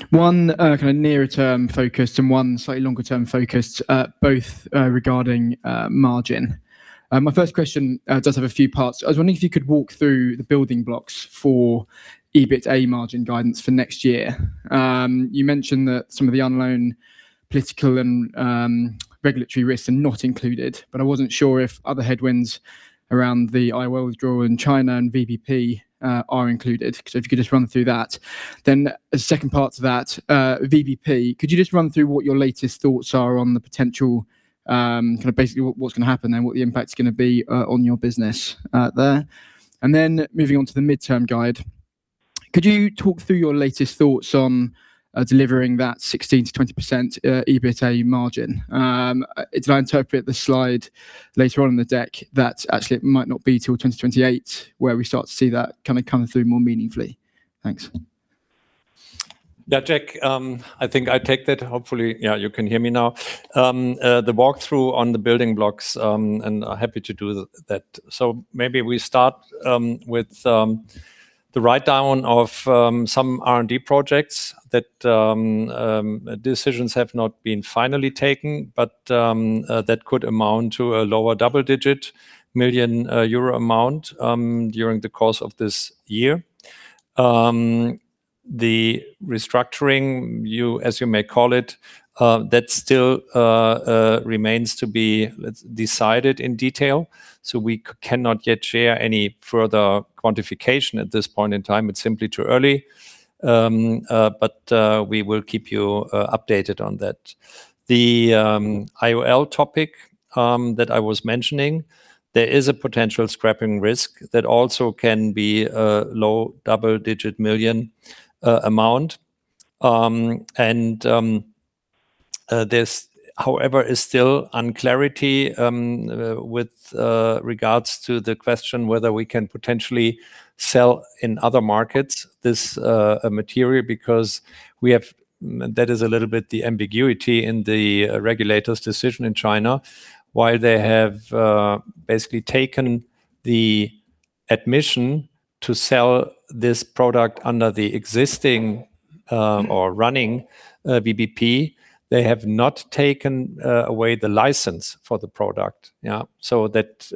One kind of nearer-term focused and one slightly longer-term focused, both regarding margin. My first question does have a few parts. I was wondering if you could walk through the building blocks for EBITDA margin guidance for next year. You mentioned that some of the unknown political and regulatory risks are not included, but I wasn't sure if other headwinds around the IOL withdrawal in China and VBP are included. So if you could just run through that. Then a second part to that, VBP, could you just run through what your latest thoughts are on the potential, kind of basically what's going to happen and what the impact is going to be on your business there? And then moving on to the midterm guide, could you talk through your latest thoughts on delivering that 16%-20% EBITDA margin? Did I interpret the slide later on in the deck that actually it might not be till 2028 where we start to see that kind of come through more meaningfully? Thanks. Yeah, Jack, I think I take that. Hopefully, yeah, you can hear me now. The walkthrough on the building blocks, and I'm happy to do that. So maybe we start with the write-down of some R&D projects that decisions have not been finally taken, but that could amount to a lower double-digit million EUR amount during the course of this year. The restructuring, as you may call it, that still remains to be decided in detail. So we cannot yet share any further quantification at this point in time. It's simply too early. But we will keep you updated on that. The IOL topic that I was mentioning, there is a potential scrapping risk that also can be a low double-digit million EUR amount. And this, however, is still unclarity with regards to the question whether we can potentially sell in other markets this material because we have, that is a little bit the ambiguity in the regulator's decision in China. While they have basically taken the admission to sell this product under the existing or running VBP, they have not taken away the license for the product. Yeah. So that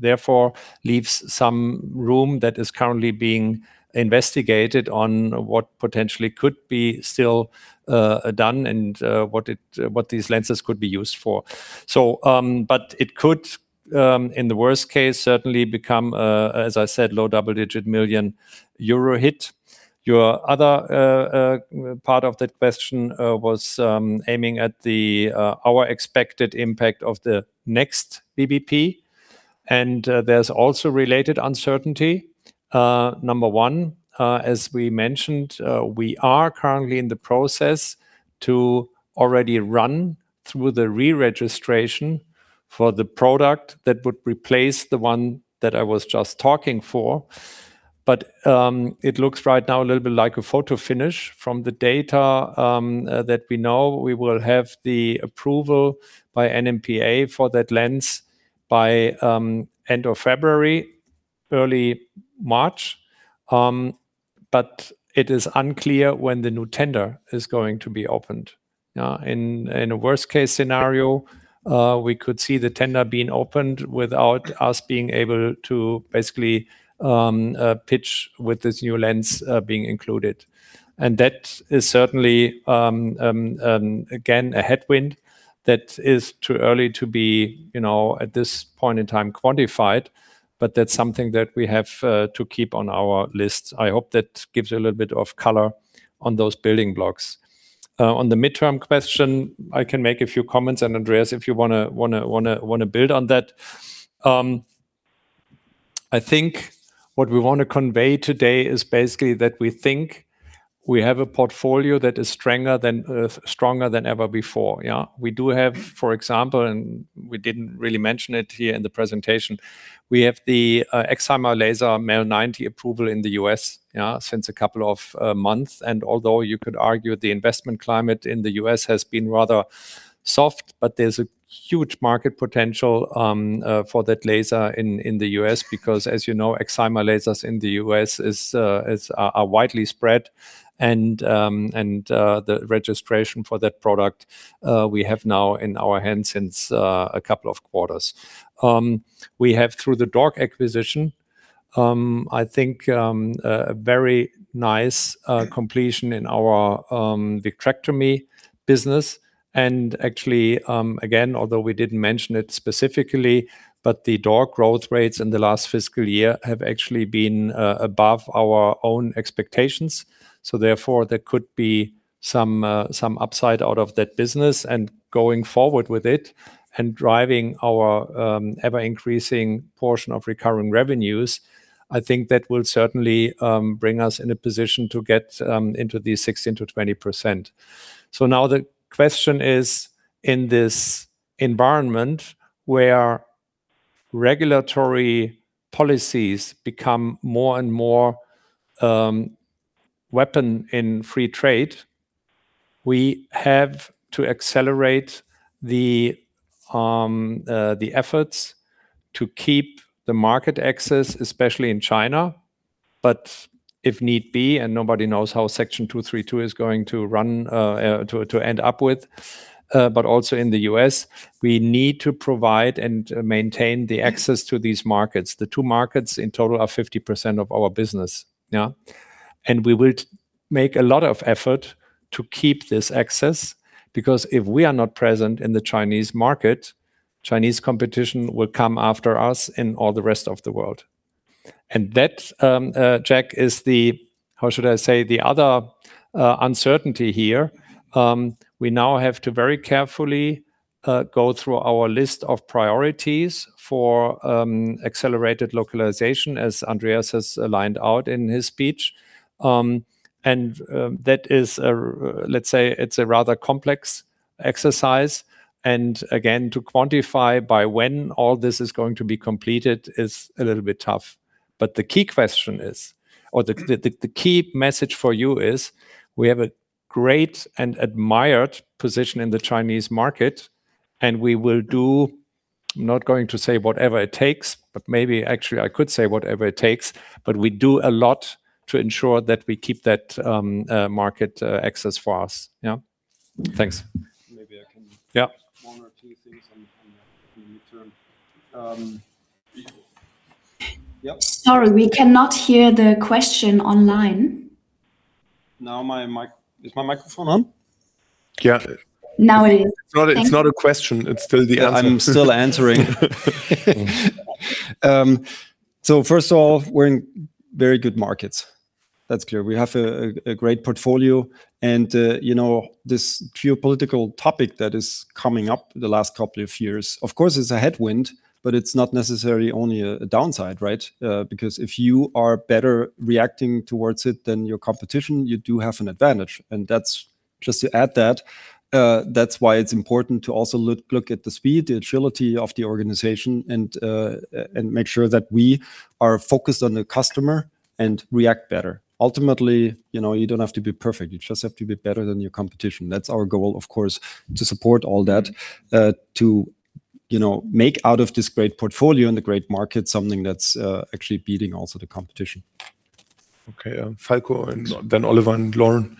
therefore leaves some room that is currently being investigated on what potentially could be still done and what these lenses could be used for. So, but it could, in the worst case, certainly become, as I said, low double-digit million EUR hit. Your other part of that question was aiming at our expected impact of the next VBP. And there's also related uncertainty. Number one, as we mentioned, we are currently in the process to already run through the re-registration for the product that would replace the one that I was just talking for. But it looks right now a little bit like a photo finish from the data that we know we will have the approval by NMPA for that lens by end of February, early March. But it is unclear when the new tender is going to be opened. In a worst-case scenario, we could see the tender being opened without us being able to basically pitch with this new lens being included. And that is certainly, again, a headwind that is too early to be, you know, at this point in time quantified, but that's something that we have to keep on our list. I hope that gives you a little bit of color on those building blocks. On the midterm question, I can make a few comments. And Andreas, if you want to build on that. I think what we want to convey today is basically that we think we have a portfolio that is stronger than ever before. Yeah. We do have, for example, and we didn't really mention it here in the presentation, we have the excimer laser MEL 90 approval in the U.S. since a couple of months. And although you could argue the investment climate in the U.S. has been rather soft, but there's a huge market potential for that laser in the U.S. because, as you know, excimer lasers in the U.S. are widely spread. And the registration for that product we have now in our hands since a couple of quarters. We have, through the DORC acquisition, I think a very nice completion in our vitrectomy business. Actually, again, although we didn't mention it specifically, but the DORC growth rates in the last fiscal year have actually been above our own expectations. So therefore, there could be some upside out of that business and going forward with it and driving our ever-increasing portion of recurring revenues. I think that will certainly bring us in a position to get into the 16%-20%. So now the question is, in this environment where regulatory policies become more and more weapon in free trade, we have to accelerate the efforts to keep the market access, especially in China, but if need be, and nobody knows how Section 232 is going to end up with, but also in the U.S., we need to provide and maintain the access to these markets. The two markets in total are 50% of our business. Yeah. And we will make a lot of effort to keep this access because if we are not present in the Chinese market, Chinese competition will come after us in all the rest of the world. And that, Jack, is the, how should I say, the other uncertainty here. We now have to very carefully go through our list of priorities for accelerated localization, as Andreas has laid out in his speech. And that is, let's say, it's a rather complex exercise. And again, to quantify by when all this is going to be completed is a little bit tough. But the key question is, or the key message for you is, we have a great and admired position in the Chinese market, and we will do. I'm not going to say whatever it takes, but maybe actually I could say whatever it takes, but we do a lot to ensure that we keep that market access for us. Yeah. Thanks. Maybe I can, yeah, one or two things on that in the midterm. Yep. Sorry, we cannot hear the question online. Now my microphone on? Yeah. Now it is. It's not a question. It's still the answer. I'm still answering. So first of all, we're in very good markets. That's clear. We have a great portfolio. And this geopolitical topic that is coming up the last couple of years, of course, is a headwind, but it's not necessarily only a downside, right? Because if you are better reacting towards it than your competition, you do have an advantage. And that's just to add that. That's why it's important to also look at the speed, the agility of the organization, and make sure that we are focused on the customer and react better. Ultimately, you don't have to be perfect. You just have to be better than your competition. That's our goal, of course, to support all that, to make out of this great portfolio and the great market something that's actually beating also the competition. Okay. Falko and then Oliver and Lauren.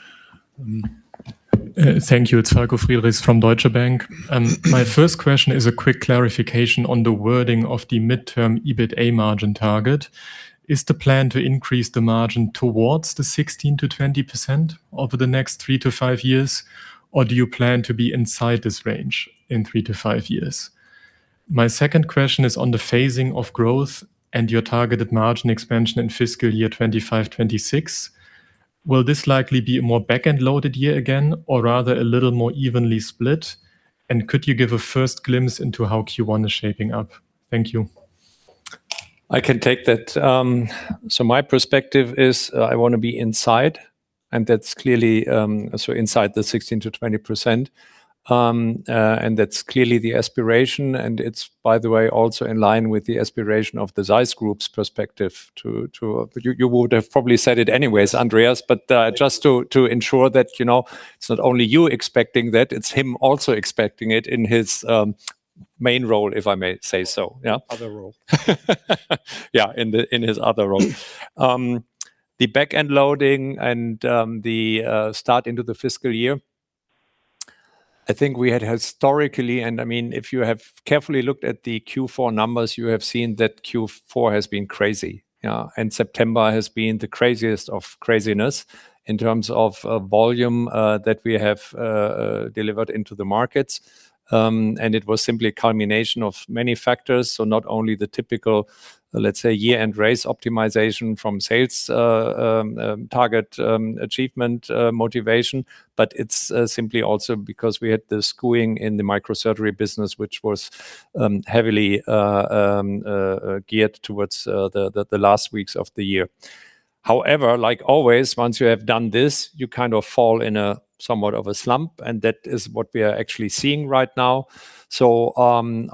Thank you. It's Falko Friedrichs from Deutsche Bank. My first question is a quick clarification on the wording of the midterm EBITDA margin target. Is the plan to increase the margin towards the 16%-20% over the next three to five years, or do you plan to be inside this range in three to five years? My second question is on the phasing of growth and your targeted margin expansion in fiscal year 2025-2026. Will this likely be a more back-end loaded year again, or rather a little more evenly split? And could you give a first glimpse into how Q1 is shaping up? Thank you. I can take that. So my perspective is I want to be inside, and that's clearly so inside the 16%-20%. And that's clearly the aspiration. And it's, by the way, also in line with the aspiration of the ZEISS Group's perspective. You would have probably said it anyways, Andreas, but just to ensure that it's not only you expecting that, it's him also expecting it in his main role, if I may say so. Yeah. Other role. Yeah, in his other role. The back-end loading and the start into the fiscal year, I think we had historically, and I mean, if you have carefully looked at the Q4 numbers, you have seen that Q4 has been crazy, and September has been the craziest of craziness in terms of volume that we have delivered into the markets, and it was simply a culmination of many factors, so not only the typical, let's say, year-end race optimization from sales target achievement motivation, but it's simply also because we had the skewing in the Microsurgery business, which was heavily geared towards the last weeks of the year. However, like always, once you have done this, you kind of fall in somewhat of a slump, and that is what we are actually seeing right now. So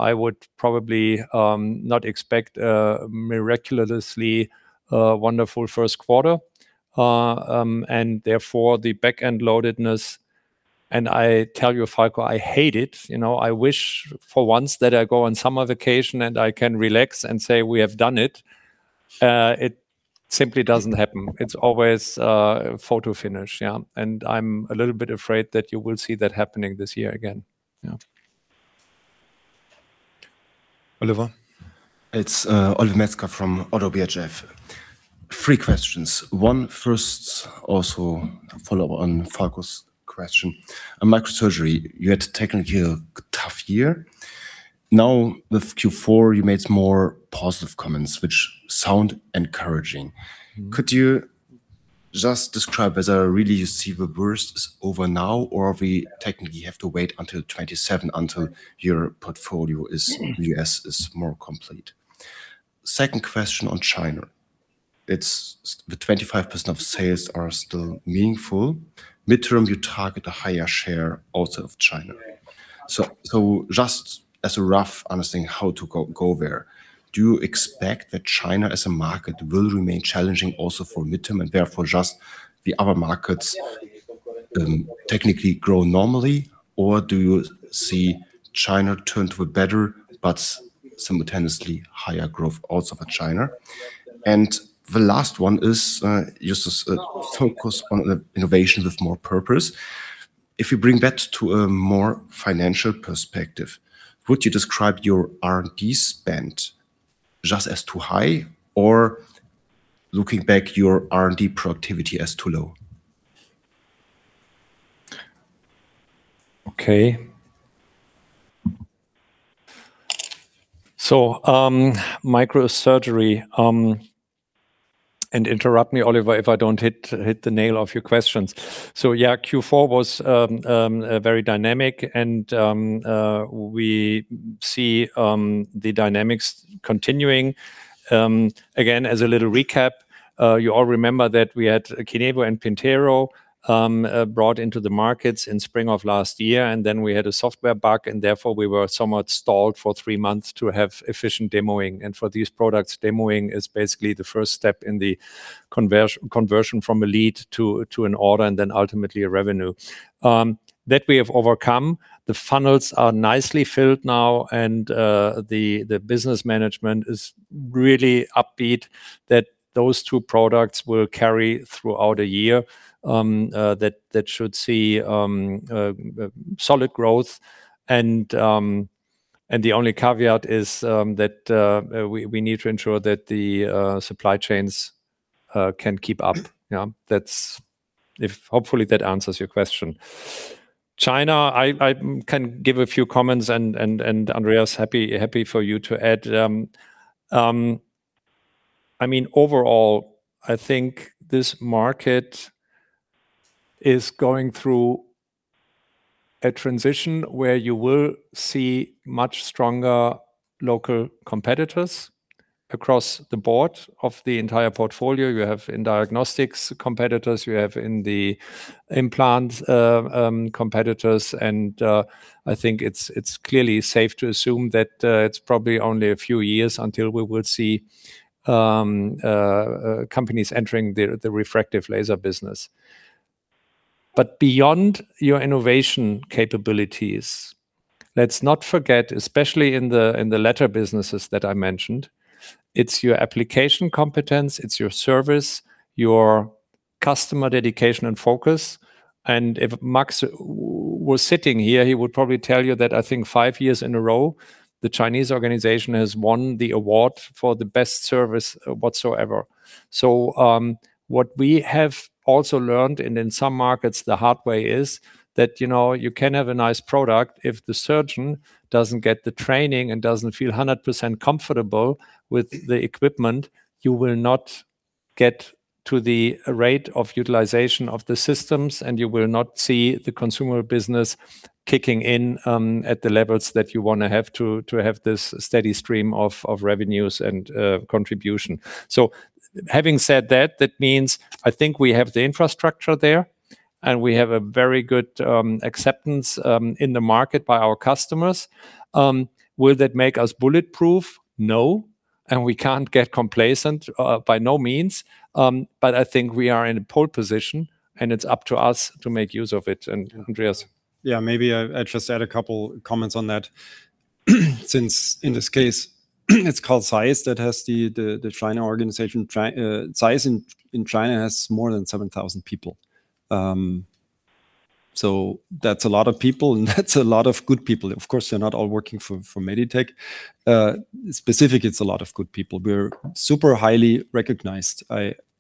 I would probably not expect a miraculously wonderful first quarter. And therefore, the back-end loadedness, and I tell you, Falko, I hate it. I wish for once that I go on summer vacation and I can relax and say we have done it. It simply doesn't happen. It's always photo finish. Yeah. And I'm a little bit afraid that you will see that happening this year again. Yeah. Oliver. It's Oliver Metzger from ODDO BHF. Three questions. One first also follow-up on Falko's question. Microsurgery, you had a technically tough year. Now with Q4, you made more positive comments, which sound encouraging. Could you just describe as a really you see the worst is over now, or we technically have to wait until 2027 until your portfolio in the U.S. is more complete? Second question on China. It's the 25% of sales are still meaningful. Midterm, you target a higher share also of China. So just as a rough understanding how to go there, do you expect that China as a market will remain challenging also for midterm and therefore just the other markets technically grow normally, or do you see China turn to a better, but simultaneously higher growth also for China? And the last one is just to focus on the innovation with more purpose. If you bring that to a more financial perspective, would you describe your R&D spend just as too high, or looking back, your R&D productivity as too low? Okay. So, Microsurgery, and interrupt me, Oliver, if I don't hit the nail of your questions. So yeah, Q4 was very dynamic, and we see the dynamics continuing. Again, as a little recap, you all remember that we had KINEVO and PENTERO brought into the markets in spring of last year, and then we had a software bug, and therefore we were somewhat stalled for three months to have efficient demoing. And for these products, demoing is basically the first step in the conversion from a lead to an order and then ultimately a revenue. That we have overcome. The funnels are nicely filled now, and the business management is really upbeat that those two products will carry throughout a year. That should see solid growth. And the only caveat is that we need to ensure that the supply chains can keep up. Yeah. Hopefully, that answers your question. China, I can give a few comments, and Andreas is happy for you to add. I mean, overall, I think this market is going through a transition where you will see much stronger local competitors across the board of the entire portfolio. You have in diagnostics competitors, you have in the implant competitors, and I think it's clearly safe to assume that it's probably only a few years until we will see companies entering the refractive laser business, but beyond your innovation capabilities, let's not forget, especially in the latter businesses that I mentioned, it's your application competence, it's your service, your customer dedication and focus, and if Max were sitting here, he would probably tell you that I think five years in a row, the Chinese organization has won the award for the best service whatsoever. So what we have also learned in some markets the hard way is that you can have a nice product. If the surgeon doesn't get the training and doesn't feel 100% comfortable with the equipment, you will not get to the rate of utilization of the systems, and you will not see the consumer business kicking in at the levels that you want to have to have this steady stream of revenues and contribution. So having said that, that means I think we have the infrastructure there, and we have a very good acceptance in the market by our customers. Will that make us bulletproof? No, and we can't get complacent, by no means. But I think we are in a pole position, and it's up to us to make use of it. And Andreas. Yeah, maybe I just add a couple of comments on that. Since in this case, it's called ZEISS. That has the China organization. ZEISS in China has more than 7,000 people. So that's a lot of people, and that's a lot of good people. Of course, they're not all working for Meditec. Specifically, it's a lot of good people. We're super highly recognized.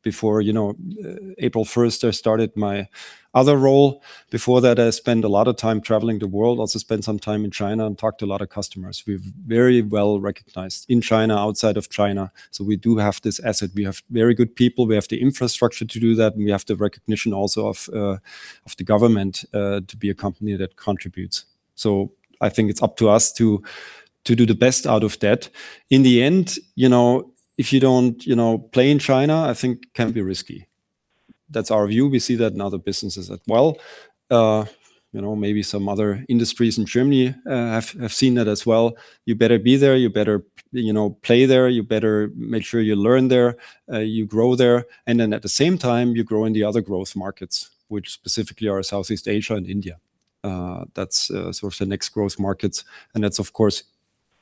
Before April 1st, I started my other role. Before that, I spent a lot of time traveling the world, also spent some time in China and talked to a lot of customers. We're very well recognized in China, outside of China. So we do have this asset. We have very good people. We have the infrastructure to do that. And we have the recognition also of the government to be a company that contributes. So I think it's up to us to do the best out of that. In the end, if you don't play in China, I think it can be risky. That's our view. We see that in other businesses as well. Maybe some other industries in Germany have seen that as well. You better be there. You better play there. You better make sure you learn there. You grow there. And then at the same time, you grow in the other growth markets, which specifically are Southeast Asia and India. That's sort of the next growth markets. And that's, of course,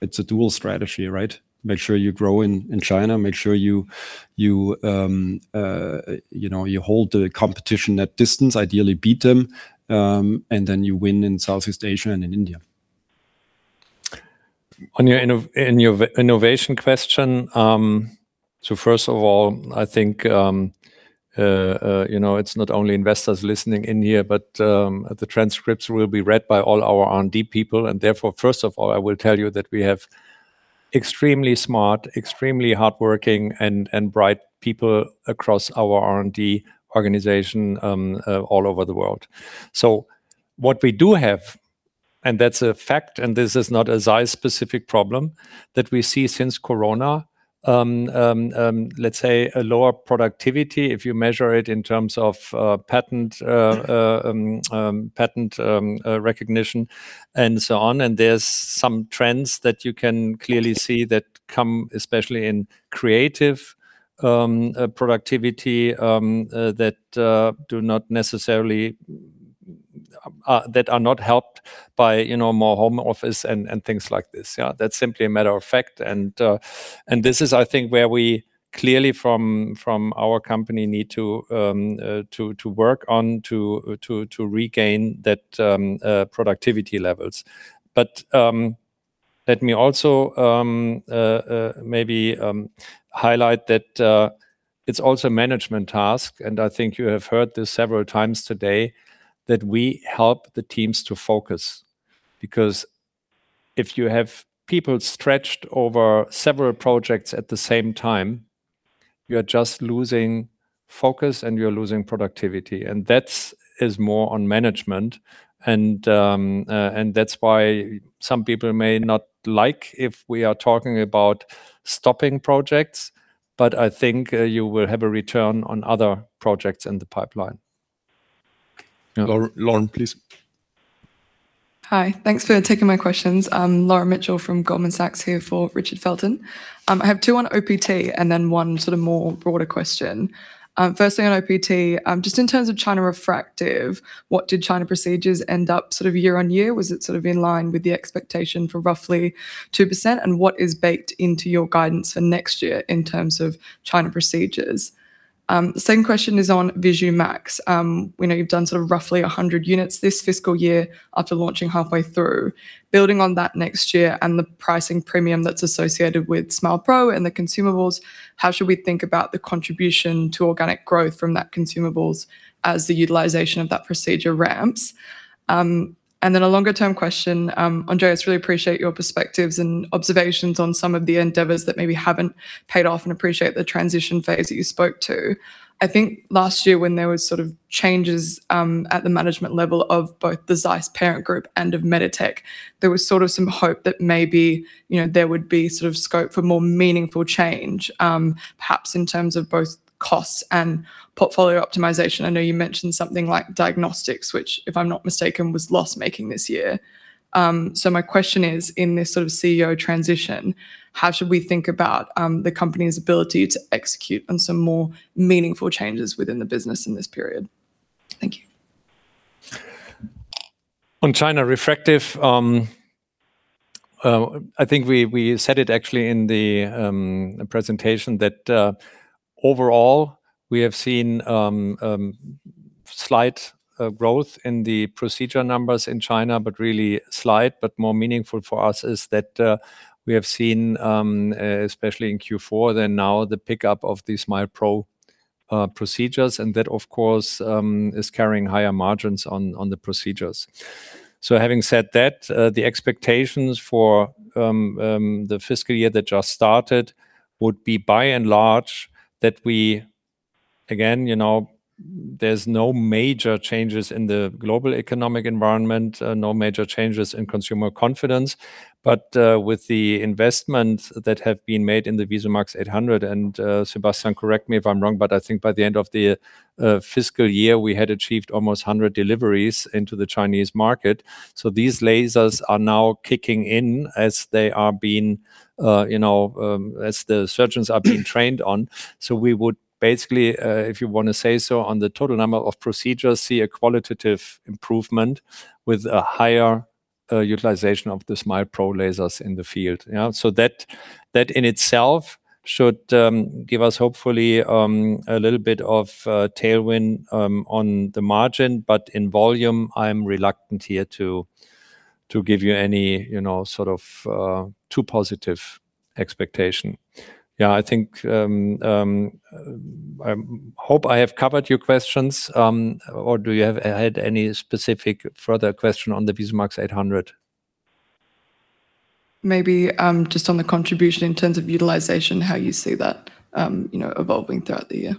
it's a dual strategy, right? Make sure you grow in China. Make sure you hold the competition at distance, ideally beat them. And then you win in Southeast Asia and in India. On your innovation question, so first of all, I think it's not only investors listening in here, but the transcripts will be read by all our R&D people. And therefore, first of all, I will tell you that we have extremely smart, extremely hardworking, and bright people across our R&D organization all over the world. So what we do have, and that's a fact, and this is not a ZEISS-specific problem, that we see since Corona, let's say, a lower productivity if you measure it in terms of patent recognition and so on. And there's some trends that you can clearly see that come, especially in creative productivity, that do not necessarily that are not helped by more home office and things like this. Yeah, that's simply a matter of fact. And this is, I think, where we clearly from our company need to work on to regain that productivity levels. But let me also maybe highlight that it's also a management task. And I think you have heard this several times today, that we help the teams to focus. Because if you have people stretched over several projects at the same time, you are just losing focus and you're losing productivity. And that is more on management. And that's why some people may not like if we are talking about stopping projects, but I think you will have a return on other projects in the pipeline. Lauren, please. Hi. Thanks for taking my questions. I'm Lauren Mitchell from Goldman Sachs here for Richard Felton. I have two on OPT and then one sort of more broader question. First thing on OPT, just in terms of China refractive, what did China procedures end up sort of year on year? Was it sort of in line with the expectation for roughly 2%? And what is baked into your guidance for next year in terms of China procedures? Same question is on VisuMax. You've done sort of roughly 100 units this fiscal year after launching halfway through. Building on that next year and the pricing premium that's associated with SMILE pro and the consumables, how should we think about the contribution to organic growth from that consumables as the utilization of that procedure ramps? And then a longer-term question, Andreas. Really appreciate your perspectives and observations on some of the endeavors that maybe haven't paid off and appreciate the transition phase that you spoke to. I think last year when there were sort of changes at the management level of both the ZEISS parent group and of Meditec, there was sort of some hope that maybe there would be sort of scope for more meaningful change, perhaps in terms of both costs and portfolio optimization. I know you mentioned something like diagnostics, which, if I'm not mistaken, was loss-making this year. So my question is, in this sort of CEO transition, how should we think about the company's ability to execute on some more meaningful changes within the business in this period? Thank you. On China refractive, I think we said it actually in the presentation that overall we have seen slight growth in the procedure numbers in China, but really slight, but more meaningful for us is that we have seen, especially in Q4, then now the pickup of the SMILE pro procedures, and that, of course, is carrying higher margins on the procedures. So having said that, the expectations for the fiscal year that just started would be by and large that we, again, there's no major changes in the global economic environment, no major changes in consumer confidence. But with the investment that has been made in the VISUMAX 800, and Sebastian, correct me if I'm wrong, but I think by the end of the fiscal year, we had achieved almost 100 deliveries into the Chinese market. So these lasers are now kicking in as they are being, as the surgeons are being trained on. So we would basically, if you want to say so, on the total number of procedures, see a qualitative improvement with a higher utilization of the SMILE pro lasers in the field. So that in itself should give us hopefully a little bit of tailwind on the margin, but in volume, I'm reluctant here to give you any sort of too positive expectation. Yeah, I think I hope I have covered your questions, or do you have any specific further question on the VISUMAX 800? Maybe just on the contribution in terms of utilization, how you see that evolving throughout the year.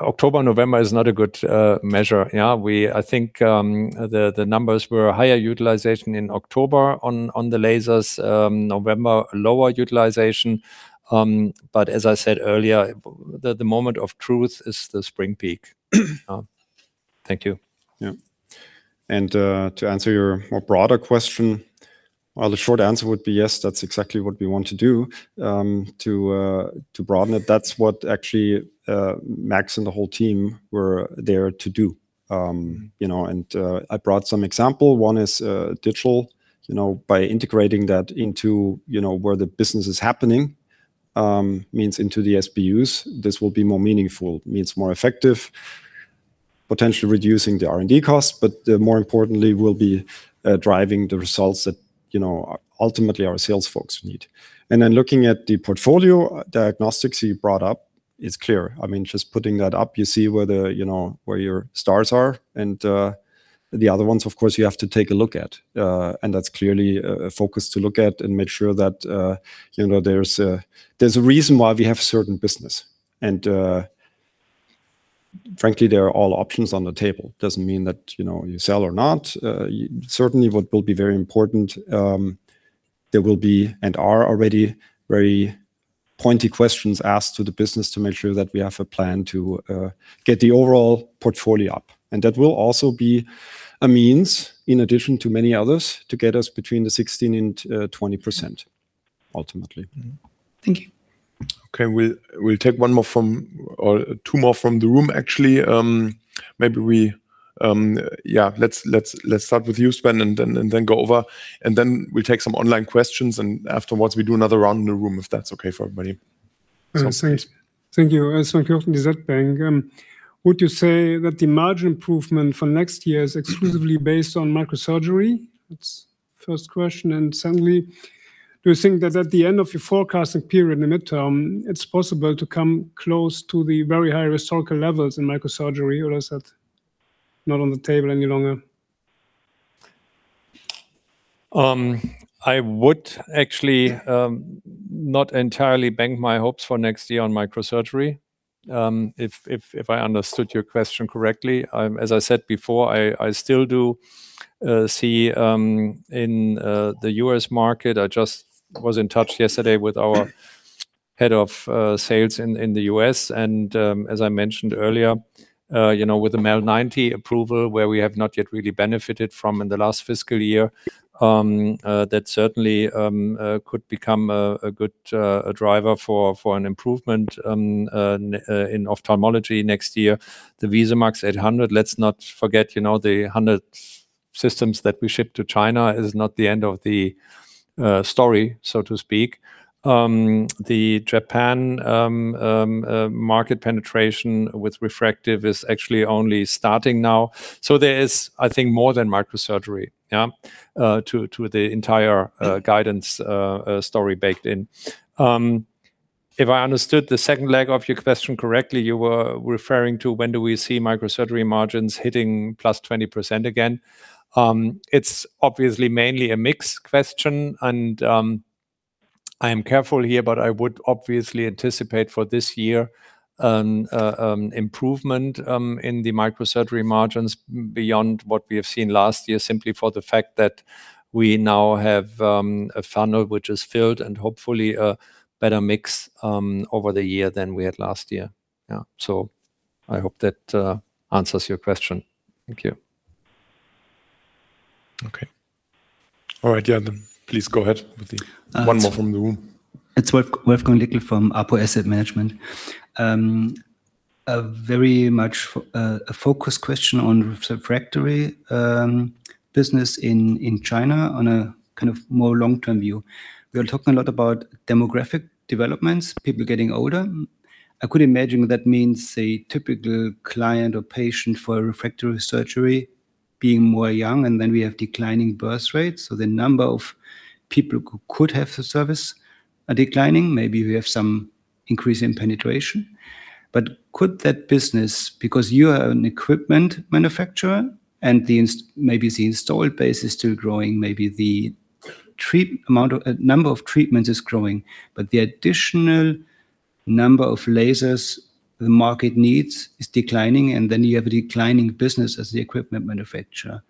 October, November is not a good measure. Yeah, I think the numbers were higher utilization in October on the lasers, November lower utilization. But as I said earlier, the moment of truth is the spring peak. Thank you. Yeah. And to answer your more broader question, well, the short answer would be yes, that's exactly what we want to do to broaden it. That's what actually Max and the whole team were there to do. And I brought some examples. One is digital. By integrating that into where the business is happening, means into the SBUs, this will be more meaningful, means more effective, potentially reducing the R&D costs, but more importantly, will be driving the results that ultimately our sales folks need. And then looking at the portfolio diagnostics you brought up, it's clear. I mean, just putting that up, you see where your stars are. And the other ones, of course, you have to take a look at. And that's clearly a focus to look at and make sure that there's a reason why we have a certain business. And frankly, there are all options on the table. It doesn't mean that you sell or not. Certainly, what will be very important, there will be and are already very pointy questions asked to the business to make sure that we have a plan to get the overall portfolio up. And that will also be a means, in addition to many others, to get us between 16% and 20%, ultimately. Thank you. Okay, we'll take one more from or two more from the room, actually. Maybe we, yeah, let's start with you, Sven, and then go over. And then we'll take some online questions. And afterwards, we do another round in the room if that's okay for everybody. Thank you. Thank you. Sven Kürten, DZ Bank. Would you say that the margin improvement for next year is exclusively based on Microsurgery? That's the first question. And secondly, do you think that at the end of your forecasting period in the midterm, it's possible to come close to the very high historical levels in Microsurgery, or is that not on the table any longer? I would actually not entirely bank my hopes for next year on Microsurgery, if I understood your question correctly. As I said before, I still do see in the U.S. market. I just was in touch yesterday with our head of sales in the U.S. And as I mentioned earlier, with the MEL 90 approval, where we have not yet really benefited from in the last fiscal year, that certainly could become a good driver for an improvement in Ophthalmology next year. The VISUMAX 800, let's not forget, the 100 systems that we ship to China is not the end of the story, so to speak. The Japan market penetration with refractive is actually only starting now. So there is, I think, more than Microsurgery, yeah, to the entire guidance story baked in. If I understood the second leg of your question correctly, you were referring to when do we see Microsurgery margins hitting +20% again. It's obviously mainly a mixed question. And I am careful here, but I would obviously anticipate for this year an improvement in the Microsurgery margins beyond what we have seen last year, simply for the fact that we now have a funnel which is filled and hopefully a better mix over the year than we had last year. Yeah, so I hope that answers your question. Thank you. Okay. All right, Wolfgang, please go ahead with the one more from the room. It's Wolfgang Lickl from Apo Asset Management. A very much a focused question on refractive business in China on a kind of more long-term view. We are talking a lot about demographic developments, people getting older. I could imagine that means a typical client or patient for refractive surgery being more young, and then we have declining birth rates. So the number of people who could have the service are declining. Maybe we have some increase in penetration. But could that business, because you are an equipment manufacturer and maybe the installed base is still growing, maybe the number of treatments is growing, but the additional number of lasers the market needs is declining, and then you have a declining business as the equipment manufacturer.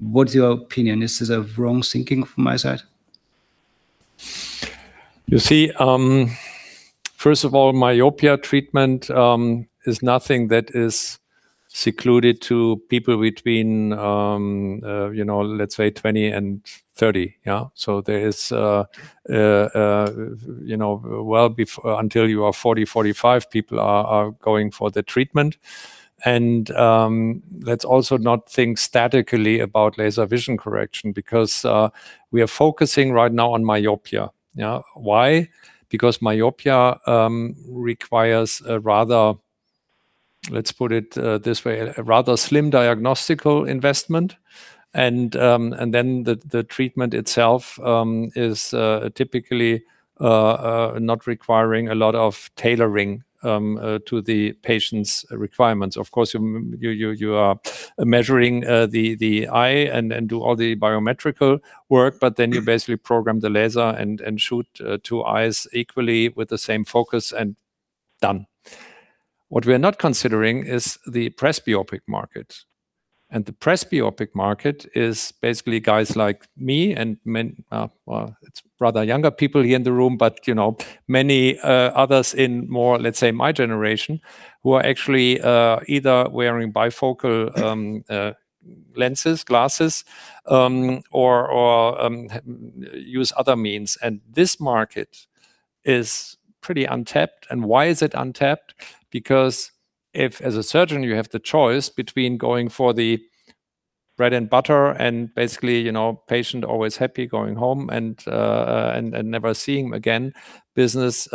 What's your opinion? Is this a wrong thinking from my side? You see, first of all, myopia treatment is nothing that is exclusive to people between, let's say, 20 and 30. Yeah, so there is well before until you are 40, 45, people are going for the treatment, and let's also not think statically about laser vision correction because we are focusing right now on myopia. Yeah, why? Because myopia requires a rather, let's put it this way, a rather slim diagnostic investment, and then the treatment itself is typically not requiring a lot of tailoring to the patient's requirements. Of course, you are measuring the eye and do all the biometric work, but then you basically program the laser and shoot two eyes equally with the same focus and done. What we are not considering is the presbyopic market. And the presbyopic market is basically guys like me and well, it's rather younger people here in the room, but many others in more, let's say, my generation who are actually either wearing bifocal lenses, glasses, or use other means. And this market is pretty untapped. And why is it untapped? Because if, as a surgeon, you have the choice between going for the bread and butter and basically patient always happy going home and never seeing again business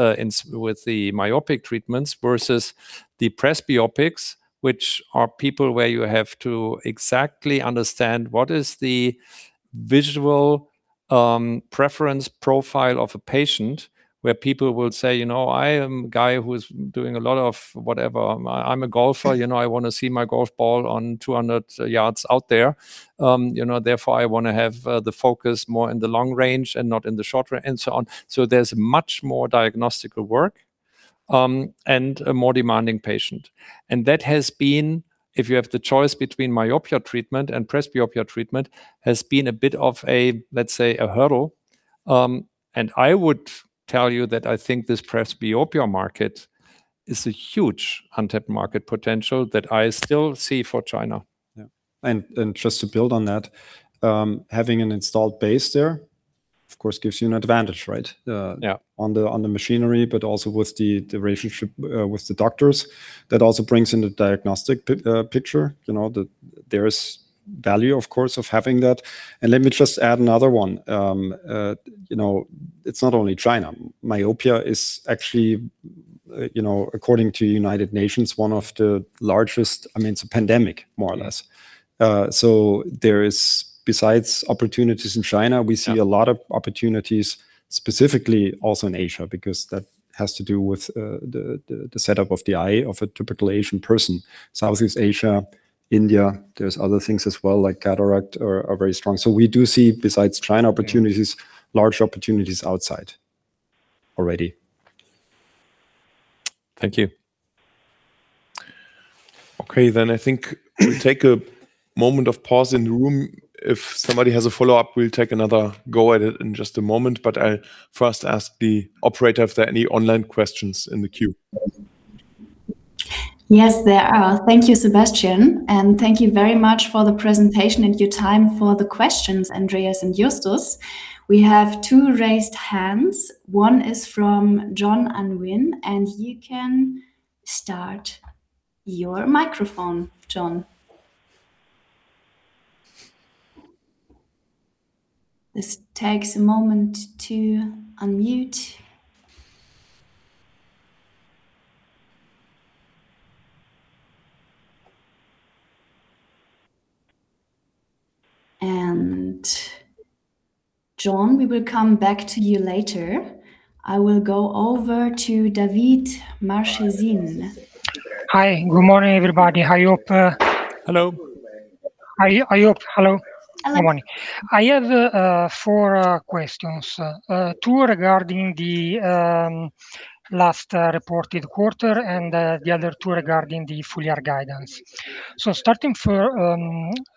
with the myopic treatments versus the presbyopics, which are people where you have to exactly understand what is the visual preference profile of a patient where people will say, you know, I am a guy who is doing a lot of whatever. I'm a golfer. You know, I want to see my golf ball on 200 yards out there. Therefore, I want to have the focus more in the long range and not in the short range and so on. So there's much more diagnostic work and a more demanding patient. And that has been, if you have the choice between myopia treatment and presbyopia treatment, has been a bit of a, let's say, a hurdle. And I would tell you that I think this presbyopia market is a huge untapped market potential that I still see for China. Yeah. And just to build on that, having an installed base there, of course, gives you an advantage, right? Yeah. On the machinery, but also with the relationship with the doctors. That also brings in the diagnostic picture. There is value, of course, of having that. And let me just add another one. It's not only China. Myopia is actually, according to the United Nations, one of the largest, I mean, it's a pandemic, more or less. So there is, besides opportunities in China, we see a lot of opportunities specifically also in Asia because that has to do with the setup of the eye of a typical Asian person. Southeast Asia, India, there's other things as well, like cataract are very strong. So we do see, besides China opportunities, large opportunities outside already. Thank you. Okay, then I think we take a moment of pause in the room. If somebody has a follow-up, we'll take another go at it in just a moment, but I'll first ask the operator if there are any online questions in the queue. Yes, there are. Thank you, Sebastian, and thank you very much for the presentation and your time for the questions, Andreas and Justus. We have two raised hands. One is from John Anwin, and you can start your microphone, John. This takes a moment to unmute. And John, we will come back to you later. I will go over to Davide Marchesin. Hi. Good morning, everybody. Hi, operator. Hello. Good morning. I have four questions. Two regarding the last reported quarter and the other two regarding the full year guidance. So starting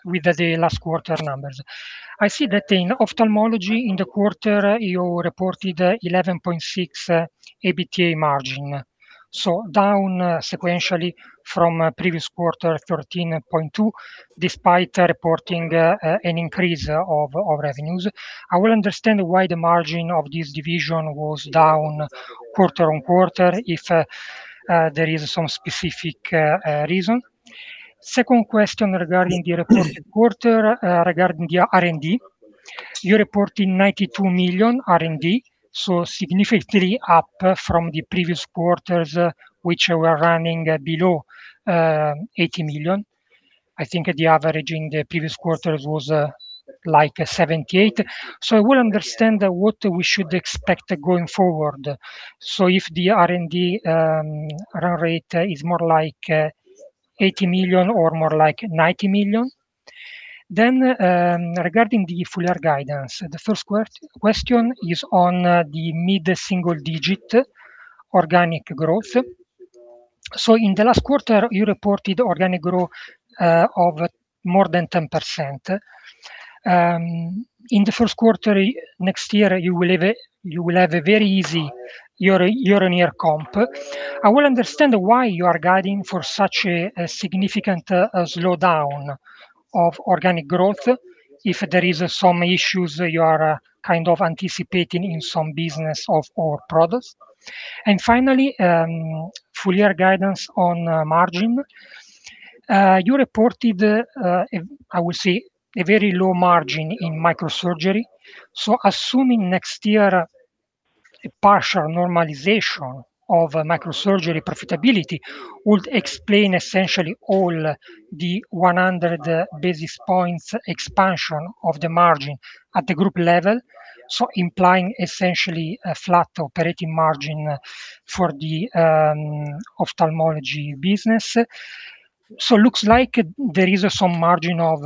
with the last quarter numbers, I see that in Ophthalmology in the quarter, you reported 11.6% EBITDA margin. So down sequentially from previous quarter, 13.2%, despite reporting an increase of revenues. I will understand why the margin of this division was down quarter-on-quarter if there is some specific reason. Second question regarding the reported quarter regarding the R&D. You reported 92 million R&D, so significantly up from the previous quarters, which were running below 80 million. I think the average in the previous quarters was like 78. So I will understand what we should expect going forward. So if the R&D run rate is more like 80 million or more like 90 million, then regarding the full year guidance, the first question is on the mid-single digit organic growth. So in the last quarter, you reported organic growth of more than 10%. In the first quarter next year, you will have a very easy year-on-year comp. I will understand why you are guiding for such a significant slowdown of organic growth if there are some issues you are kind of anticipating in some business of our products. And finally, full year guidance on margin. You reported, I will say, a very low margin in Microsurgery. So assuming next year a partial normalization of Microsurgery profitability would explain essentially all the 100 basis points expansion of the margin at the group level, so implying essentially a flat operating margin for the Ophthalmology business. So it looks like there is some margin of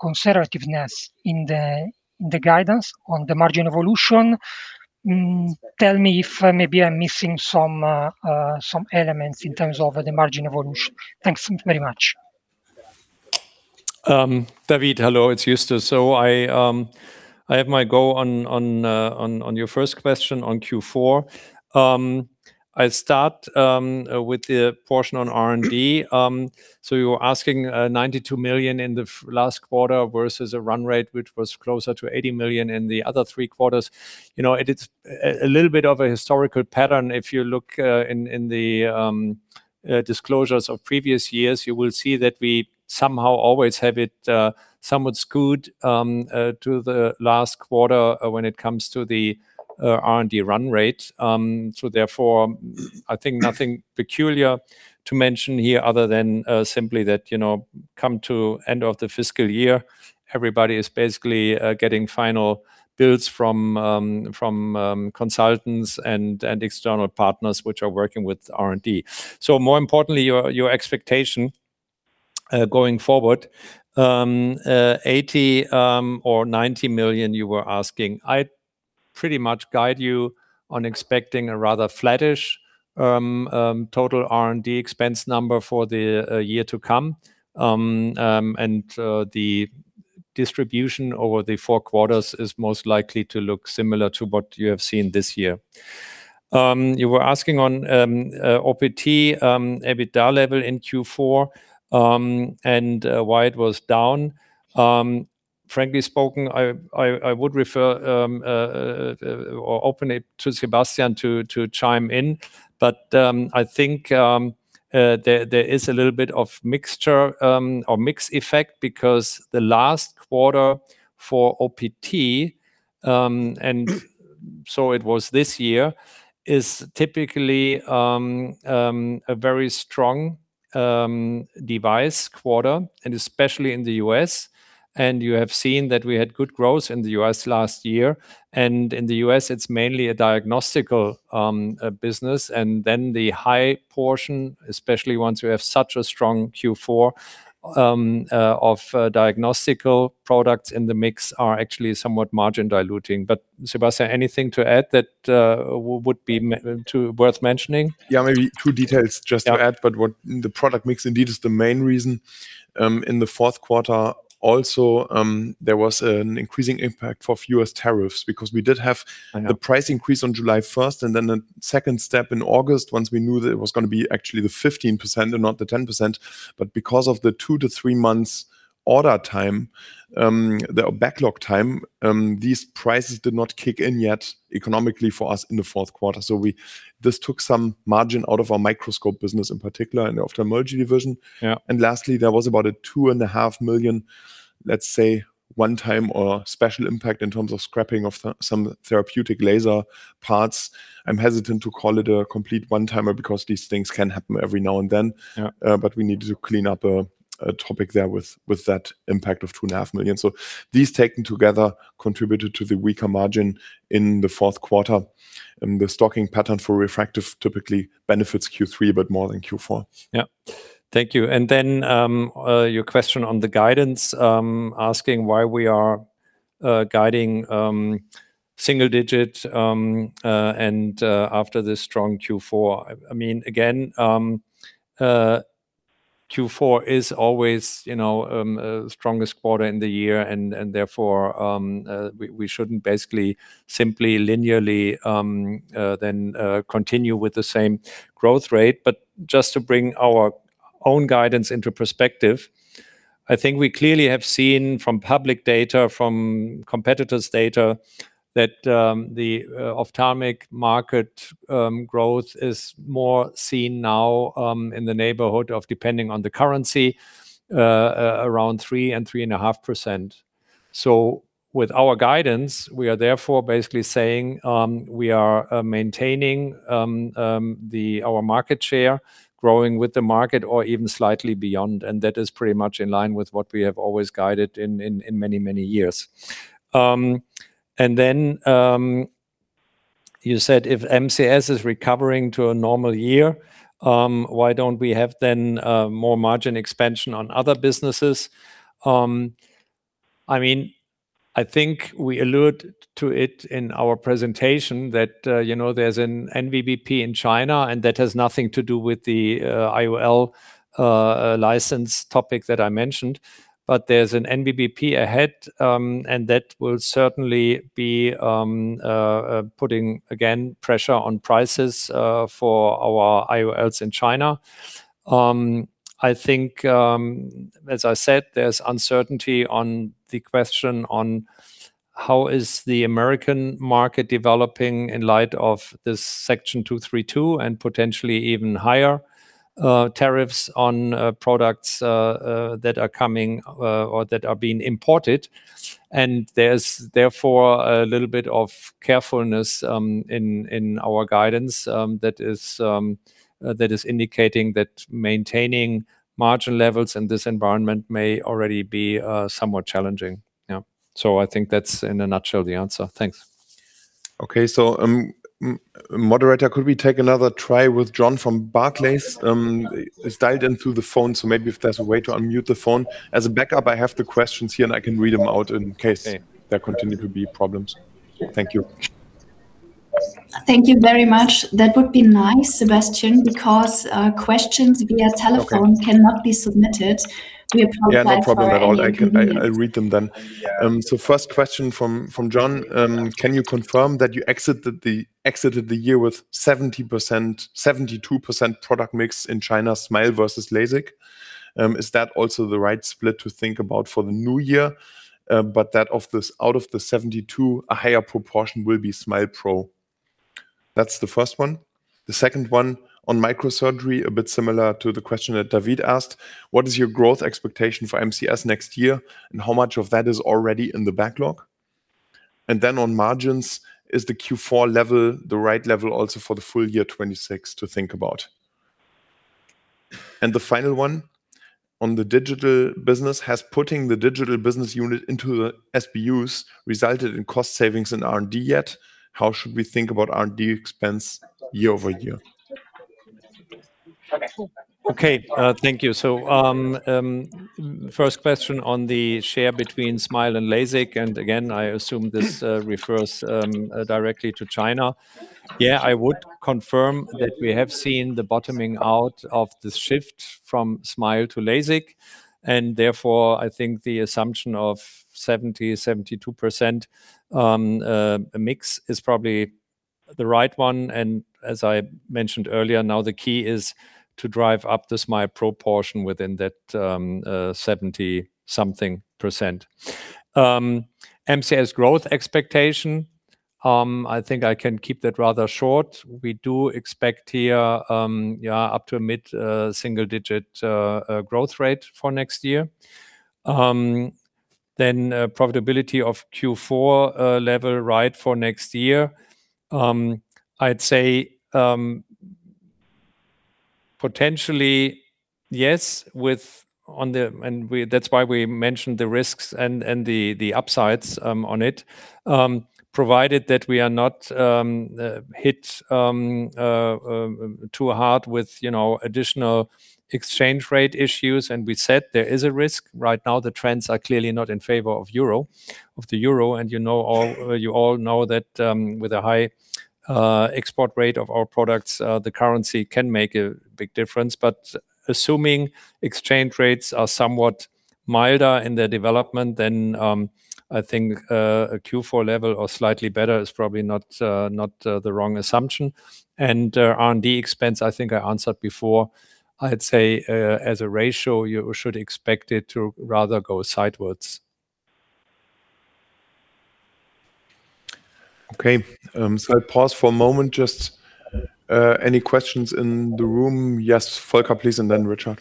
conservativeness in the guidance on the margin evolution. Tell me if maybe I'm missing some elements in terms of the margin evolution. Thanks very much. Davide, hello. It's Justus. So I have my go on your first question on Q4. I'll start with the portion on R&D. So you were asking 92 million in the last quarter versus a run rate which was closer to 80 million in the other three quarters. It's a little bit of a historical pattern. If you look in the disclosures of previous years, you will see that we somehow always have it somewhat skewed to the last quarter when it comes to the R&D run rate. So therefore, I think nothing peculiar to mention here other than simply that, come to the end of the fiscal year, everybody is basically getting final builds from consultants and external partners which are working with R&D. So more importantly, your expectation going forward, 80 million or 90 million you were asking. I pretty much guide you on expecting a rather flattish total R&D expense number for the year to come, and the distribution over the four quarters is most likely to look similar to what you have seen this year. You were asking on OPT, EBITDA level in Q4 and why it was down. Frankly spoken, I would refer or open it to Sebastian to chime in, but I think there is a little bit of mixture or mixed effect because the last quarter for OPT, and so it was this year, is typically a very strong device quarter, and especially in the U.S., and you have seen that we had good growth in the U.S. last year, and in the U.S., it's mainly a diagnostic business, and then the high portion, especially once you have such a strong Q4 of diagnostic products in the mix, are actually somewhat margin diluting, but Sebastian, anything to add that would be worth mentioning? Yeah, maybe two details just to add, but the product mix indeed is the main reason. In the fourth quarter, also, there was an increasing impact for fewer tariffs because we did have the price increase on July 1st and then a second step in August once we knew that it was going to be actually the 15% and not the 10%. But because of the two to three months order time, the backlog time, these prices did not kick in yet economically for us in the fourth quarter. So this took some margin out of our microscope business in particular and the ophthalmology division. And lastly, there was about 2.5 million, let's say, 1x or special impact in terms of scrapping of some therapeutic laser parts. I'm hesitant to call it a complete one-timer because these things can happen every now and then, but we need to clean up a topic there with that impact of 2.5 million. So these taken together contributed to the weaker margin in the fourth quarter. The stocking pattern for refractive typically benefits Q3, but more than Q4. Yeah. Thank you. And then your question on the guidance, asking why we are guiding single-digit and after this strong Q4. I mean, again, Q4 is always the strongest quarter in the year, and therefore, we shouldn't basically simply linearly then continue with the same growth rate. But just to bring our own guidance into perspective, I think we clearly have seen from public data, from competitors' data that the ophthalmic market growth is more seen now in the neighborhood of, depending on the currency, around 3%-3.5%. So with our guidance, we are therefore basically saying we are maintaining our market share, growing with the market or even slightly beyond. And that is pretty much in line with what we have always guided in many, many years. And then you said if MCS is recovering to a normal year, why don't we have then more margin expansion on other businesses? I mean, I think we alluded to it in our presentation that there's a VBP in China, and that has nothing to do with the IOL license topic that I mentioned, but there's a VBP ahead, and that will certainly be putting, again, pressure on prices for our IOLs in China. I think, as I said, there's uncertainty on the question on how is the American market developing in light of this Section 232 and potentially even higher tariffs on products that are coming or that are being imported. And there's therefore a little bit of carefulness in our guidance that is indicating that maintaining margin levels in this environment may already be somewhat challenging. Yeah. So I think that's in a nutshell the answer. Thanks. Okay. So moderator, could we take another try with John from Barclays? He's dialed in through the phone, so maybe if there's a way to unmute the phone. As a backup, I have the questions here, and I can read them out in case there continue to be problems. Thank you. Thank you very much. That would be nice, Sebastian, because questions via telephone cannot be submitted. We apologize. Yeah, no problem at all. I'll read them then. So first question from John. Can you confirm that you exited the year with 72% product mix in China, SMILE versus LASIK? Is that also the right split to think about for the new year? But that out of the 72, a higher proportion will be SMILE pro. That's the first one. The second one on Microsurgery, a bit similar to the question that Davide asked. What is your growth expectation for MCS next year, and how much of that is already in the backlog? And then on margins, is the Q4 level the right level also for the full year 2026 to think about? And the final one on the digital business, has putting the digital business unit into the SBUs resulted in cost savings in R&D yet? How should we think about R&D expense year-over-year? Okay. Thank you. So first question on the share between SMILE and LASIK. And again, I assume this refers directly to China. Yeah, I would confirm that we have seen the bottoming out of the shift from SMILE to LASIK. And therefore, I think the assumption of 70%-72% mix is probably the right one. And as I mentioned earlier, now the key is to drive up the SMILE pro portion within that 70-something percent. MCS growth expectation, I think I can keep that rather short. We do expect here up to a mid-single digit growth rate for next year. Then, profitability of Q4 level, right, for next year. I'd say potentially yes with on the and that's why we mentioned the risks and the upsides on it, provided that we are not hit too hard with additional exchange rate issues. And we said there is a risk. Right now, the trends are clearly not in favor of the euro. And you all know that with a high export rate of our products, the currency can make a big difference. But assuming exchange rates are somewhat milder in their development, then I think a Q4 level or slightly better is probably not the wrong assumption. And R&D expense, I think I answered before. I'd say as a ratio, you should expect it to rather go sidewards. Okay. So I'll pause for a moment. Just any questions in the room? Yes, Volker, please, and then Richard.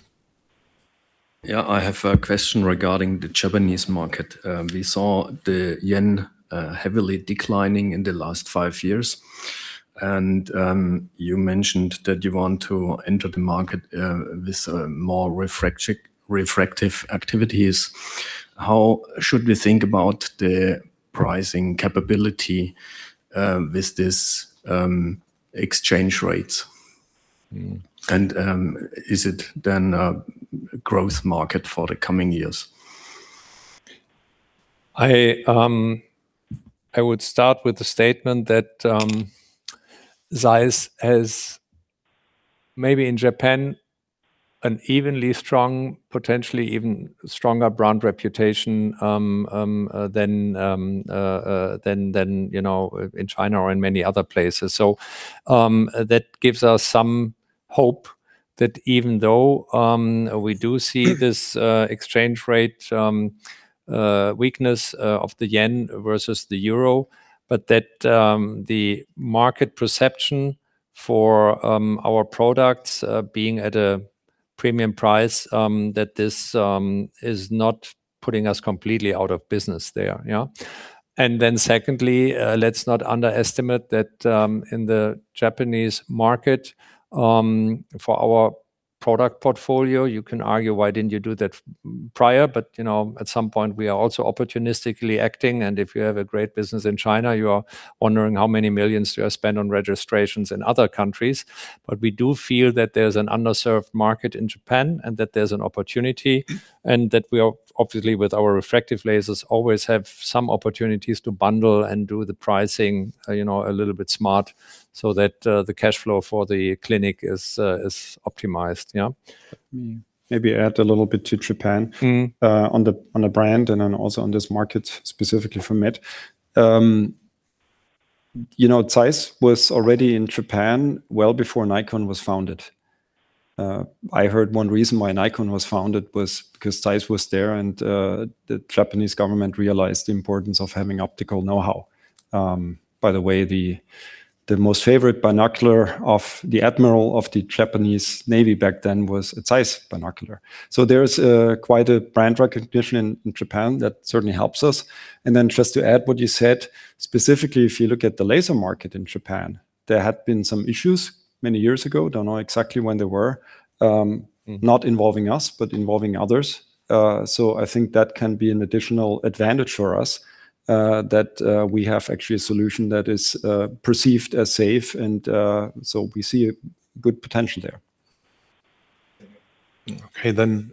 Yeah, I have a question regarding the Japanese market. We saw the yen heavily declining in the last five years. And you mentioned that you want to enter the market with more refractive activities. How should we think about the pricing capability with these exchange rates? And is it then a growth market for the coming years? I would start with the statement that ZEISS has maybe in Japan an evenly strong, potentially even stronger brand reputation than in China or in many other places. So that gives us some hope that even though we do see this exchange rate weakness of the yen versus the euro, but that the market perception for our products being at a premium price, that this is not putting us completely out of business there. And then secondly, let's not underestimate that in the Japanese market for our product portfolio, you can argue why didn't you do that prior, but at some point, we are also opportunistically acting. And if you have a great business in China, you are wondering how many millions do I spend on registrations in other countries. But we do feel that there's an underserved market in Japan and that there's an opportunity and that we obviously with our refractive lasers always have some opportunities to bundle and do the pricing a little bit smart so that the cash flow for the clinic is optimized. Yeah. Maybe add a little bit to Japan on the brand and then also on this market specifically for med. ZEISS was already in Japan well before Nikon was founded. I heard one reason why Nikon was founded was because ZEISS was there and the Japanese government realized the importance of having optical know-how. By the way, the most favorite binocular of the admiral of the Japanese Navy back then was a ZEISS binocular. So there's quite a brand recognition in Japan that certainly helps us. And then just to add what you said, specifically if you look at the laser market in Japan, there had been some issues many years ago. I don't know exactly when they were, not involving us, but involving others. So I think that can be an additional advantage for us that we have actually a solution that is perceived as safe. And so we see good potential there. Okay, then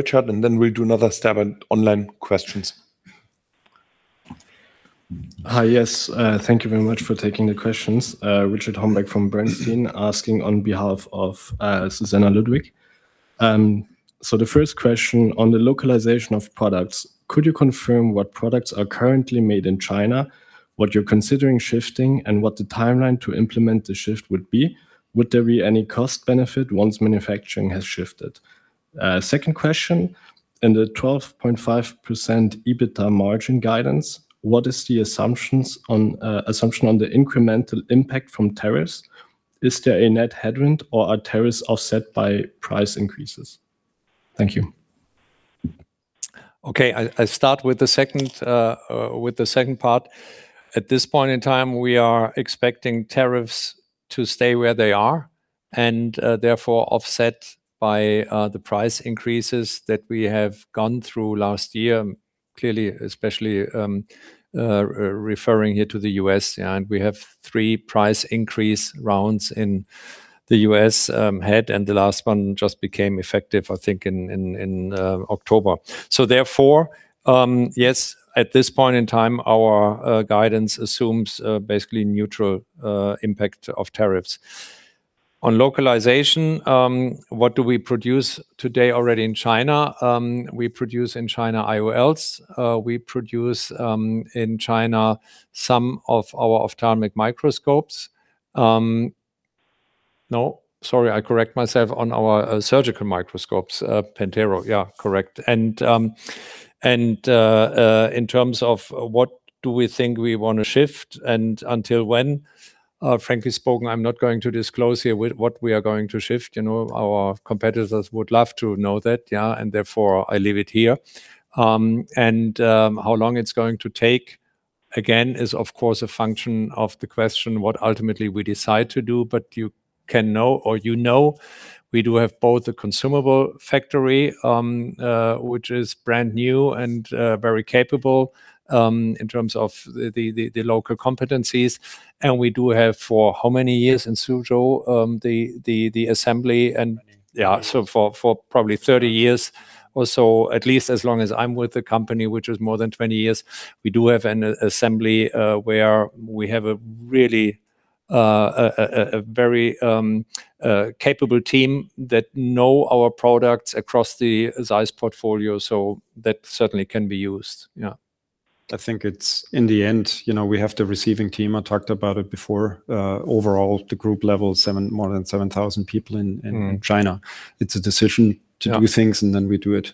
Richard, and then we'll do another stab at online questions. Hi, yes. Thank you very much for taking the questions. Richard Hombach from Bernstein asking on behalf of Susannah Ludwig. So the first question on the localization of products, could you confirm what products are currently made in China, what you're considering shifting, and what the timeline to implement the shift would be? Would there be any cost benefit once manufacturing has shifted? Second question, in the 12.5% EBITDA margin guidance, what is the assumption on the incremental impact from tariffs? Is there a net headwind or are tariffs offset by price increases? Thank you. Okay, I'll start with the second part. At this point in time, we are expecting tariffs to stay where they are and therefore offset by the price increases that we have gone through last year, clearly, especially referring here to the U.S., and we have three price increase rounds in the U.S. ahead, and the last one just became effective, I think, in October, so therefore, yes, at this point in time, our guidance assumes basically neutral impact of tariffs. On localization, what do we produce today already in China? We produce in China IOLs. We produce in China some of our ophthalmic microscopes. No, sorry, I correct myself on our surgical microscopes, PENTERO. Yeah, correct, and in terms of what do we think we want to shift and until when? Frankly spoken, I'm not going to disclose here what we are going to shift. Our competitors would love to know that. Yeah, and therefore I leave it here. And how long it's going to take, again, is of course a function of the question what ultimately we decide to do. But you can know or you know we do have both a consumable factory, which is brand new and very capable in terms of the local competencies. And we do have for how many years in Suzhou the assembly? And yeah, so for probably 30 years or so, at least as long as I'm with the company, which is more than 20 years, we do have an assembly where we have a really very capable team that know our products across the ZEISS portfolio. So that certainly can be used. Yeah. I think it's in the end, we have the R&D team. I talked about it before. Overall, the group level is more than 7,000 people in China. It's a decision to do things, and then we do it.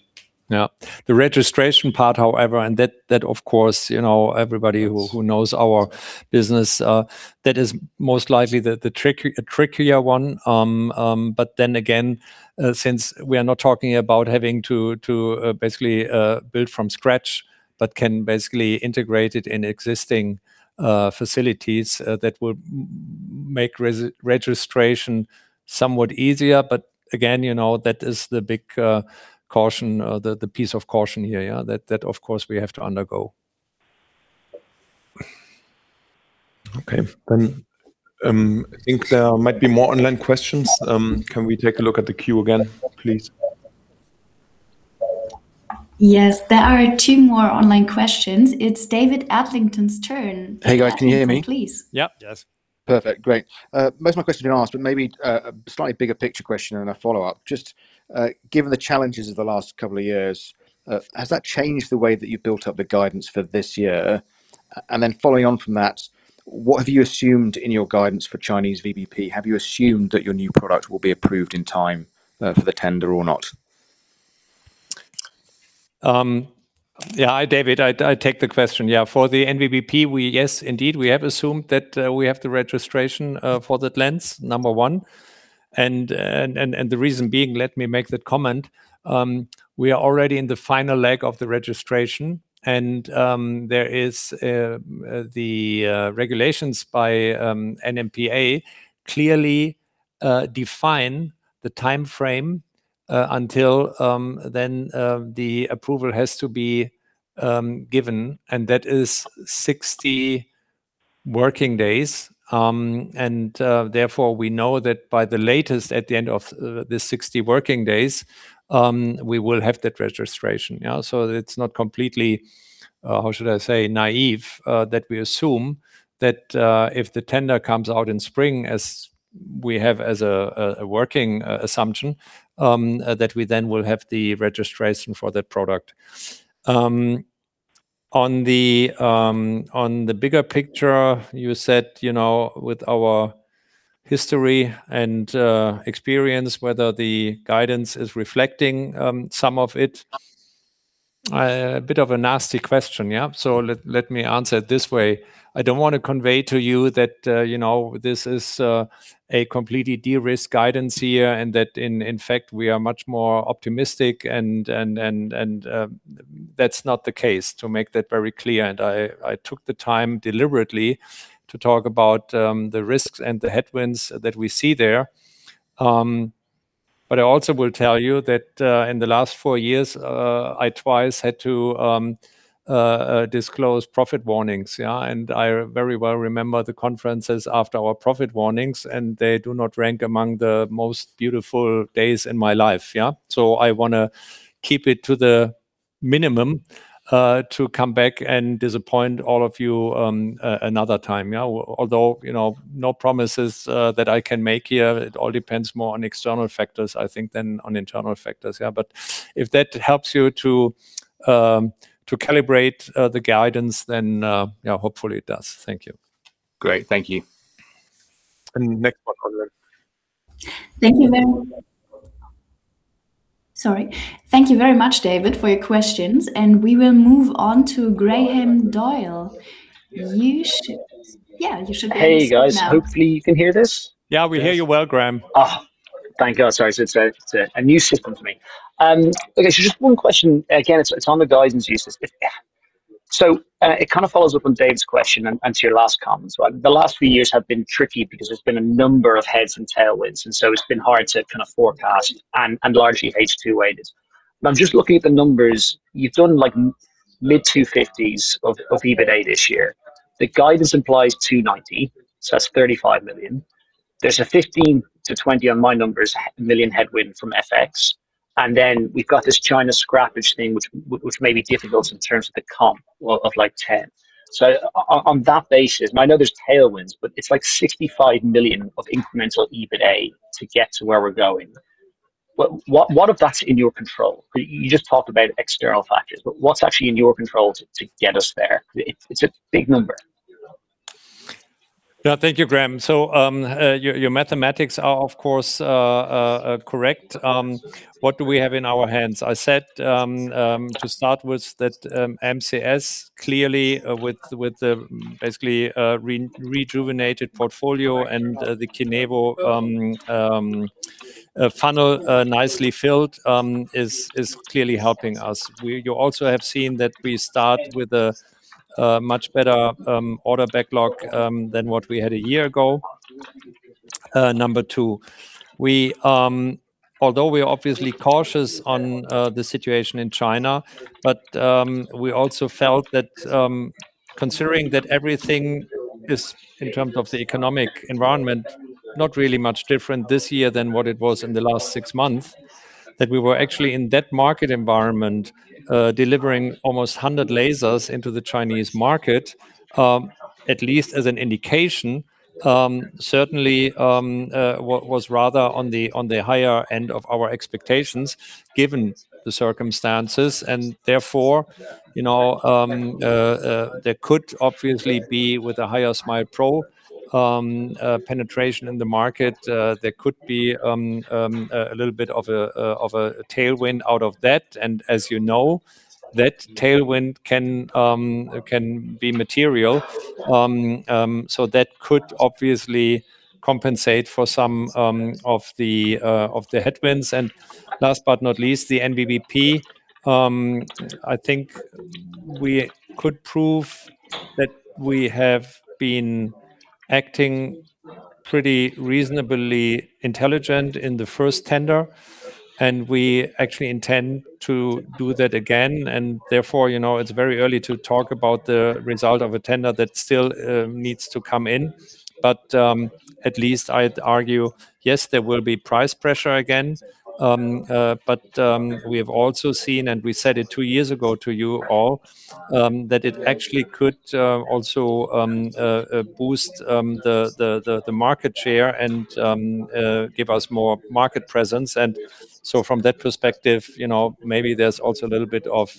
Yeah. The registration part, however, and that, of course, everybody who knows our business, that is most likely the trickier one. But then again, since we are not talking about having to basically build from scratch, but can basically integrate it in existing facilities, that will make registration somewhat easier. But again, that is the big caution, the piece of caution here, that of course we have to undergo. Okay. Then I think there might be more online questions. Can we take a look at the queue again, please? Yes, there are two more online questions. It's David Adlington's turn. Hey guys, can you hear me? Please. Yep. Yes. Perfect. Great. Most of my questions are asked, but maybe a slightly bigger picture question and a follow-up. Just given the challenges of the last couple of years, has that changed the way that you've built up the guidance for this year? And then following on from that, what have you assumed in your guidance for Chinese VBP? Have you assumed that your new product will be approved in time for the tender or not? Yeah, David, I take the question. Yeah, for the VBP, yes, indeed, we have assumed that we have the registration for the lens, number one. And the reason being, let me make that comment, we are already in the final leg of the registration. And there is the regulations by NMPA clearly define the timeframe until then the approval has to be given. And that is 60 working days. And therefore, we know that by the latest at the end of the 60 working days, we will have that registration. So it's not completely, how should I say, naive that we assume that if the tender comes out in spring, as we have as a working assumption, that we then will have the registration for that product. On the bigger picture, you said with our history and experience, whether the guidance is reflecting some of it, a bit of a nasty question. Yeah, so let me answer it this way. I don't want to convey to you that this is a completely de-risk guidance here and that in fact, we are much more optimistic, and that's not the case to make that very clear, and I took the time deliberately to talk about the risks and the headwinds that we see there, but I also will tell you that in the last four years, I twice had to disclose profit warnings. And I very well remember the conferences after our profit warnings, and they do not rank among the most beautiful days in my life. So I want to keep it to the minimum to come back and disappoint all of you another time. Although no promises that I can make here, it all depends more on external factors, I think, than on internal factors. But if that helps you to calibrate the guidance, then hopefully it does. Thank you. Great. Thank you. And next one. Thank you very much. Sorry. Thank you very much, David, for your questions. And we will move on to Graham Doyle. You should. Yeah, you should be able to hear this. Hey guys, hopefully you can hear this. Yeah, we hear you well, Graham. Thank you. Sorry, it's a new system for me. Okay, so just one question. Again, it's on the guidance. So it kind of follows up on David's question and to your last comment. The last few years have been tricky because there's been a number of headwinds and tailwinds. And so it's been hard to kind of forecast and largely H2-weighted. I'm just looking at the numbers. You've done like mid-250s million EUR of EBITDA this year. The guidance implies 290 million, so that's 35 million. There's a 15 million-20 million headwind from FX on my numbers. And then we've got this China scrappage thing, which may be difficult in terms of the comp of like 10 million. So on that basis, I know there's tailwinds, but it's like 65 million of incremental EBITDA to get to where we're going. What of that's in your control? You just talked about external factors, but what's actually in your control to get us there? It's a big number. Yeah, thank you, Graham. So your mathematics are, of course, correct. What do we have in our hands? I said to start with that MCS, clearly with the basically rejuvenated portfolio and the KINEVO funnel nicely filled is clearly helping us. You also have seen that we start with a much better order backlog than what we had a year ago. Number two, although we are obviously cautious on the situation in China, but we also felt that considering that everything is in terms of the economic environment, not really much different this year than what it was in the last six months, that we were actually in that market environment delivering almost 100 lasers into the Chinese market, at least as an indication, certainly was rather on the higher end of our expectations given the circumstances. And therefore, there could obviously be with a higher SMILE pro penetration in the market, there could be a little bit of a tailwind out of that. And as you know, that tailwind can be material. So that could obviously compensate for some of the headwinds. And last but not least, the VBP, I think we could prove that we have been acting pretty reasonably intelligent in the first tender. And we actually intend to do that again. And therefore, it's very early to talk about the result of a tender that still needs to come in. But at least I'd argue, yes, there will be price pressure again. But we have also seen, and we said it two years ago to you all, that it actually could also boost the market share and give us more market presence. And so from that perspective, maybe there's also a little bit of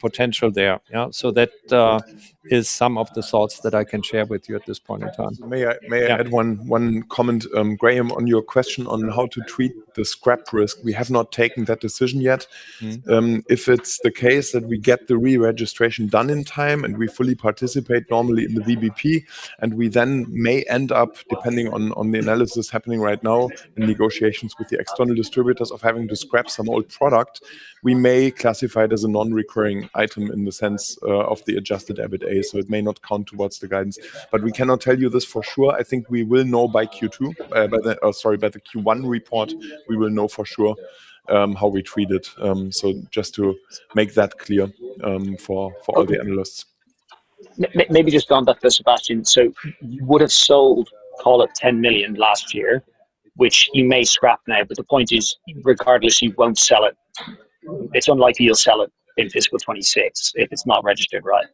potential there. So that is some of the thoughts that I can share with you at this point in time. May I add one comment, Graham, on your question on how to treat the scrap risk? We have not taken that decision yet. If it's the case that we get the re-registration done in time and we fully participate normally in the VBP, and we then may end up, depending on the analysis happening right now in negotiations with the external distributors of having to scrap some old product, we may classify it as a non-recurring item in the sense of the adjusted EBITDA. So it may not count towards the guidance. But we cannot tell you this for sure. I think we will know by Q2, sorry, by the Q1 report. We will know for sure how we treat it. So just to make that clear for all the analysts. Maybe just going back to Sebastian. So you would have sold, call it, 10 million last year, which you may scrap now, but the point is, regardless, you won't sell it. It's unlikely you'll sell it in fiscal 2026 if it's not registered, right?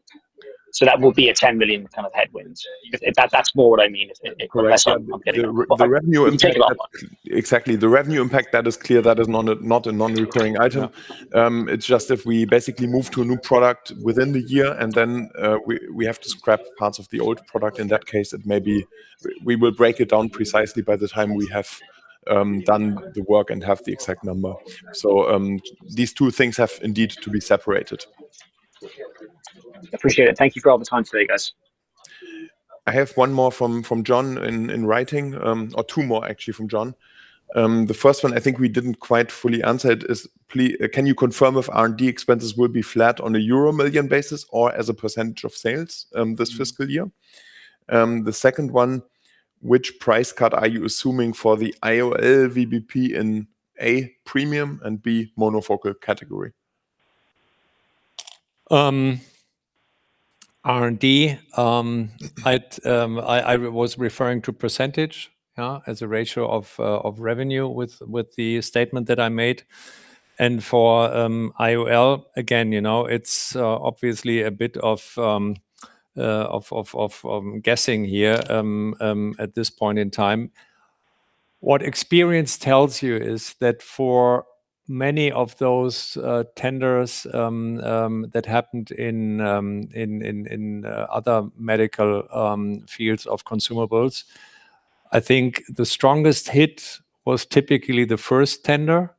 So that will be a 10 million kind of headwind. That's more what I mean. The revenue impact. Exactly. The revenue impact, that is clear. That is not a non-recurring item. It's just if we basically move to a new product within the year and then we have to scrap parts of the old product, in that case, it may be we will break it down precisely by the time we have done the work and have the exact number. So these two things have indeed to be separated. Appreciate it. Thank you for all the time today, guys. I have one more from John in writing, or two more actually from John. The first one, I think we didn't quite fully answer it, is can you confirm if R&D expenses will be flat on a euro million basis or as a percentage of sales this fiscal year? The second one, which price cut are you assuming for the IOL VBP in A, premium, and B, monofocal category? R&D, I was referring to percentage as a ratio of revenue with the statement that I made, and for IOL, again, it's obviously a bit of guessing here at this point in time. What experience tells you is that for many of those tenders that happened in other medical fields of consumables, I think the strongest hit was typically the first tender,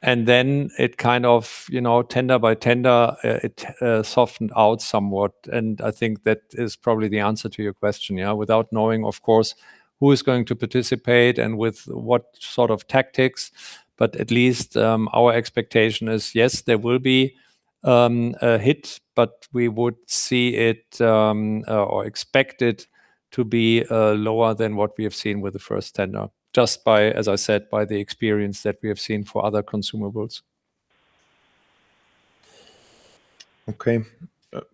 and then it kind of tender by tender, it softened out somewhat, and I think that is probably the answer to your question. Without knowing, of course, who is going to participate and with what sort of tactics, but at least our expectation is, yes, there will be a hit, but we would see it or expect it to be lower than what we have seen with the first tender, just by, as I said, by the experience that we have seen for other consumables. Okay.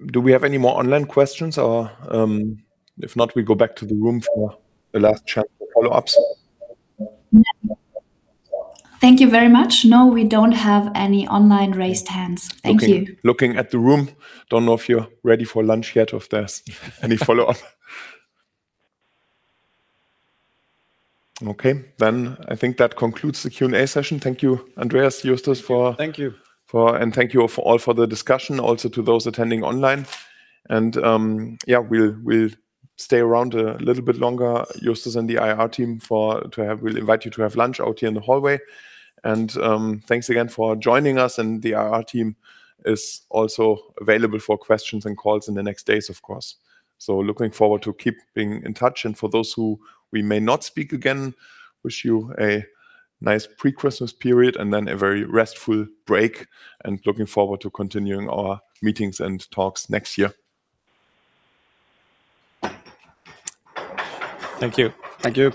Do we have any more online questions? Or if not, we go back to the room for the last chance to follow up. Thank you very much. No, we don't have any online raised hands. Thank you. Okay. Looking at the room, don't know if you're ready for lunch yet or if there's any follow-up. Okay. Then I think that concludes the Q&A session. Thank you, Andreas, Justus, for. Thank you. And thank you all for the discussion, also to those attending online. Yeah, we'll stay around a little bit longer, Justus and the IR team, to invite you to have lunch out here in the hallway. Thanks again for joining us. The IR team is also available for questions and calls in the next days, of course. Looking forward to keeping in touch. And for those who we may not speak again, wish you a nice pre-Christmas period and then a very restful break. And looking forward to continuing our meetings and talks next year. Thank you. Thank you.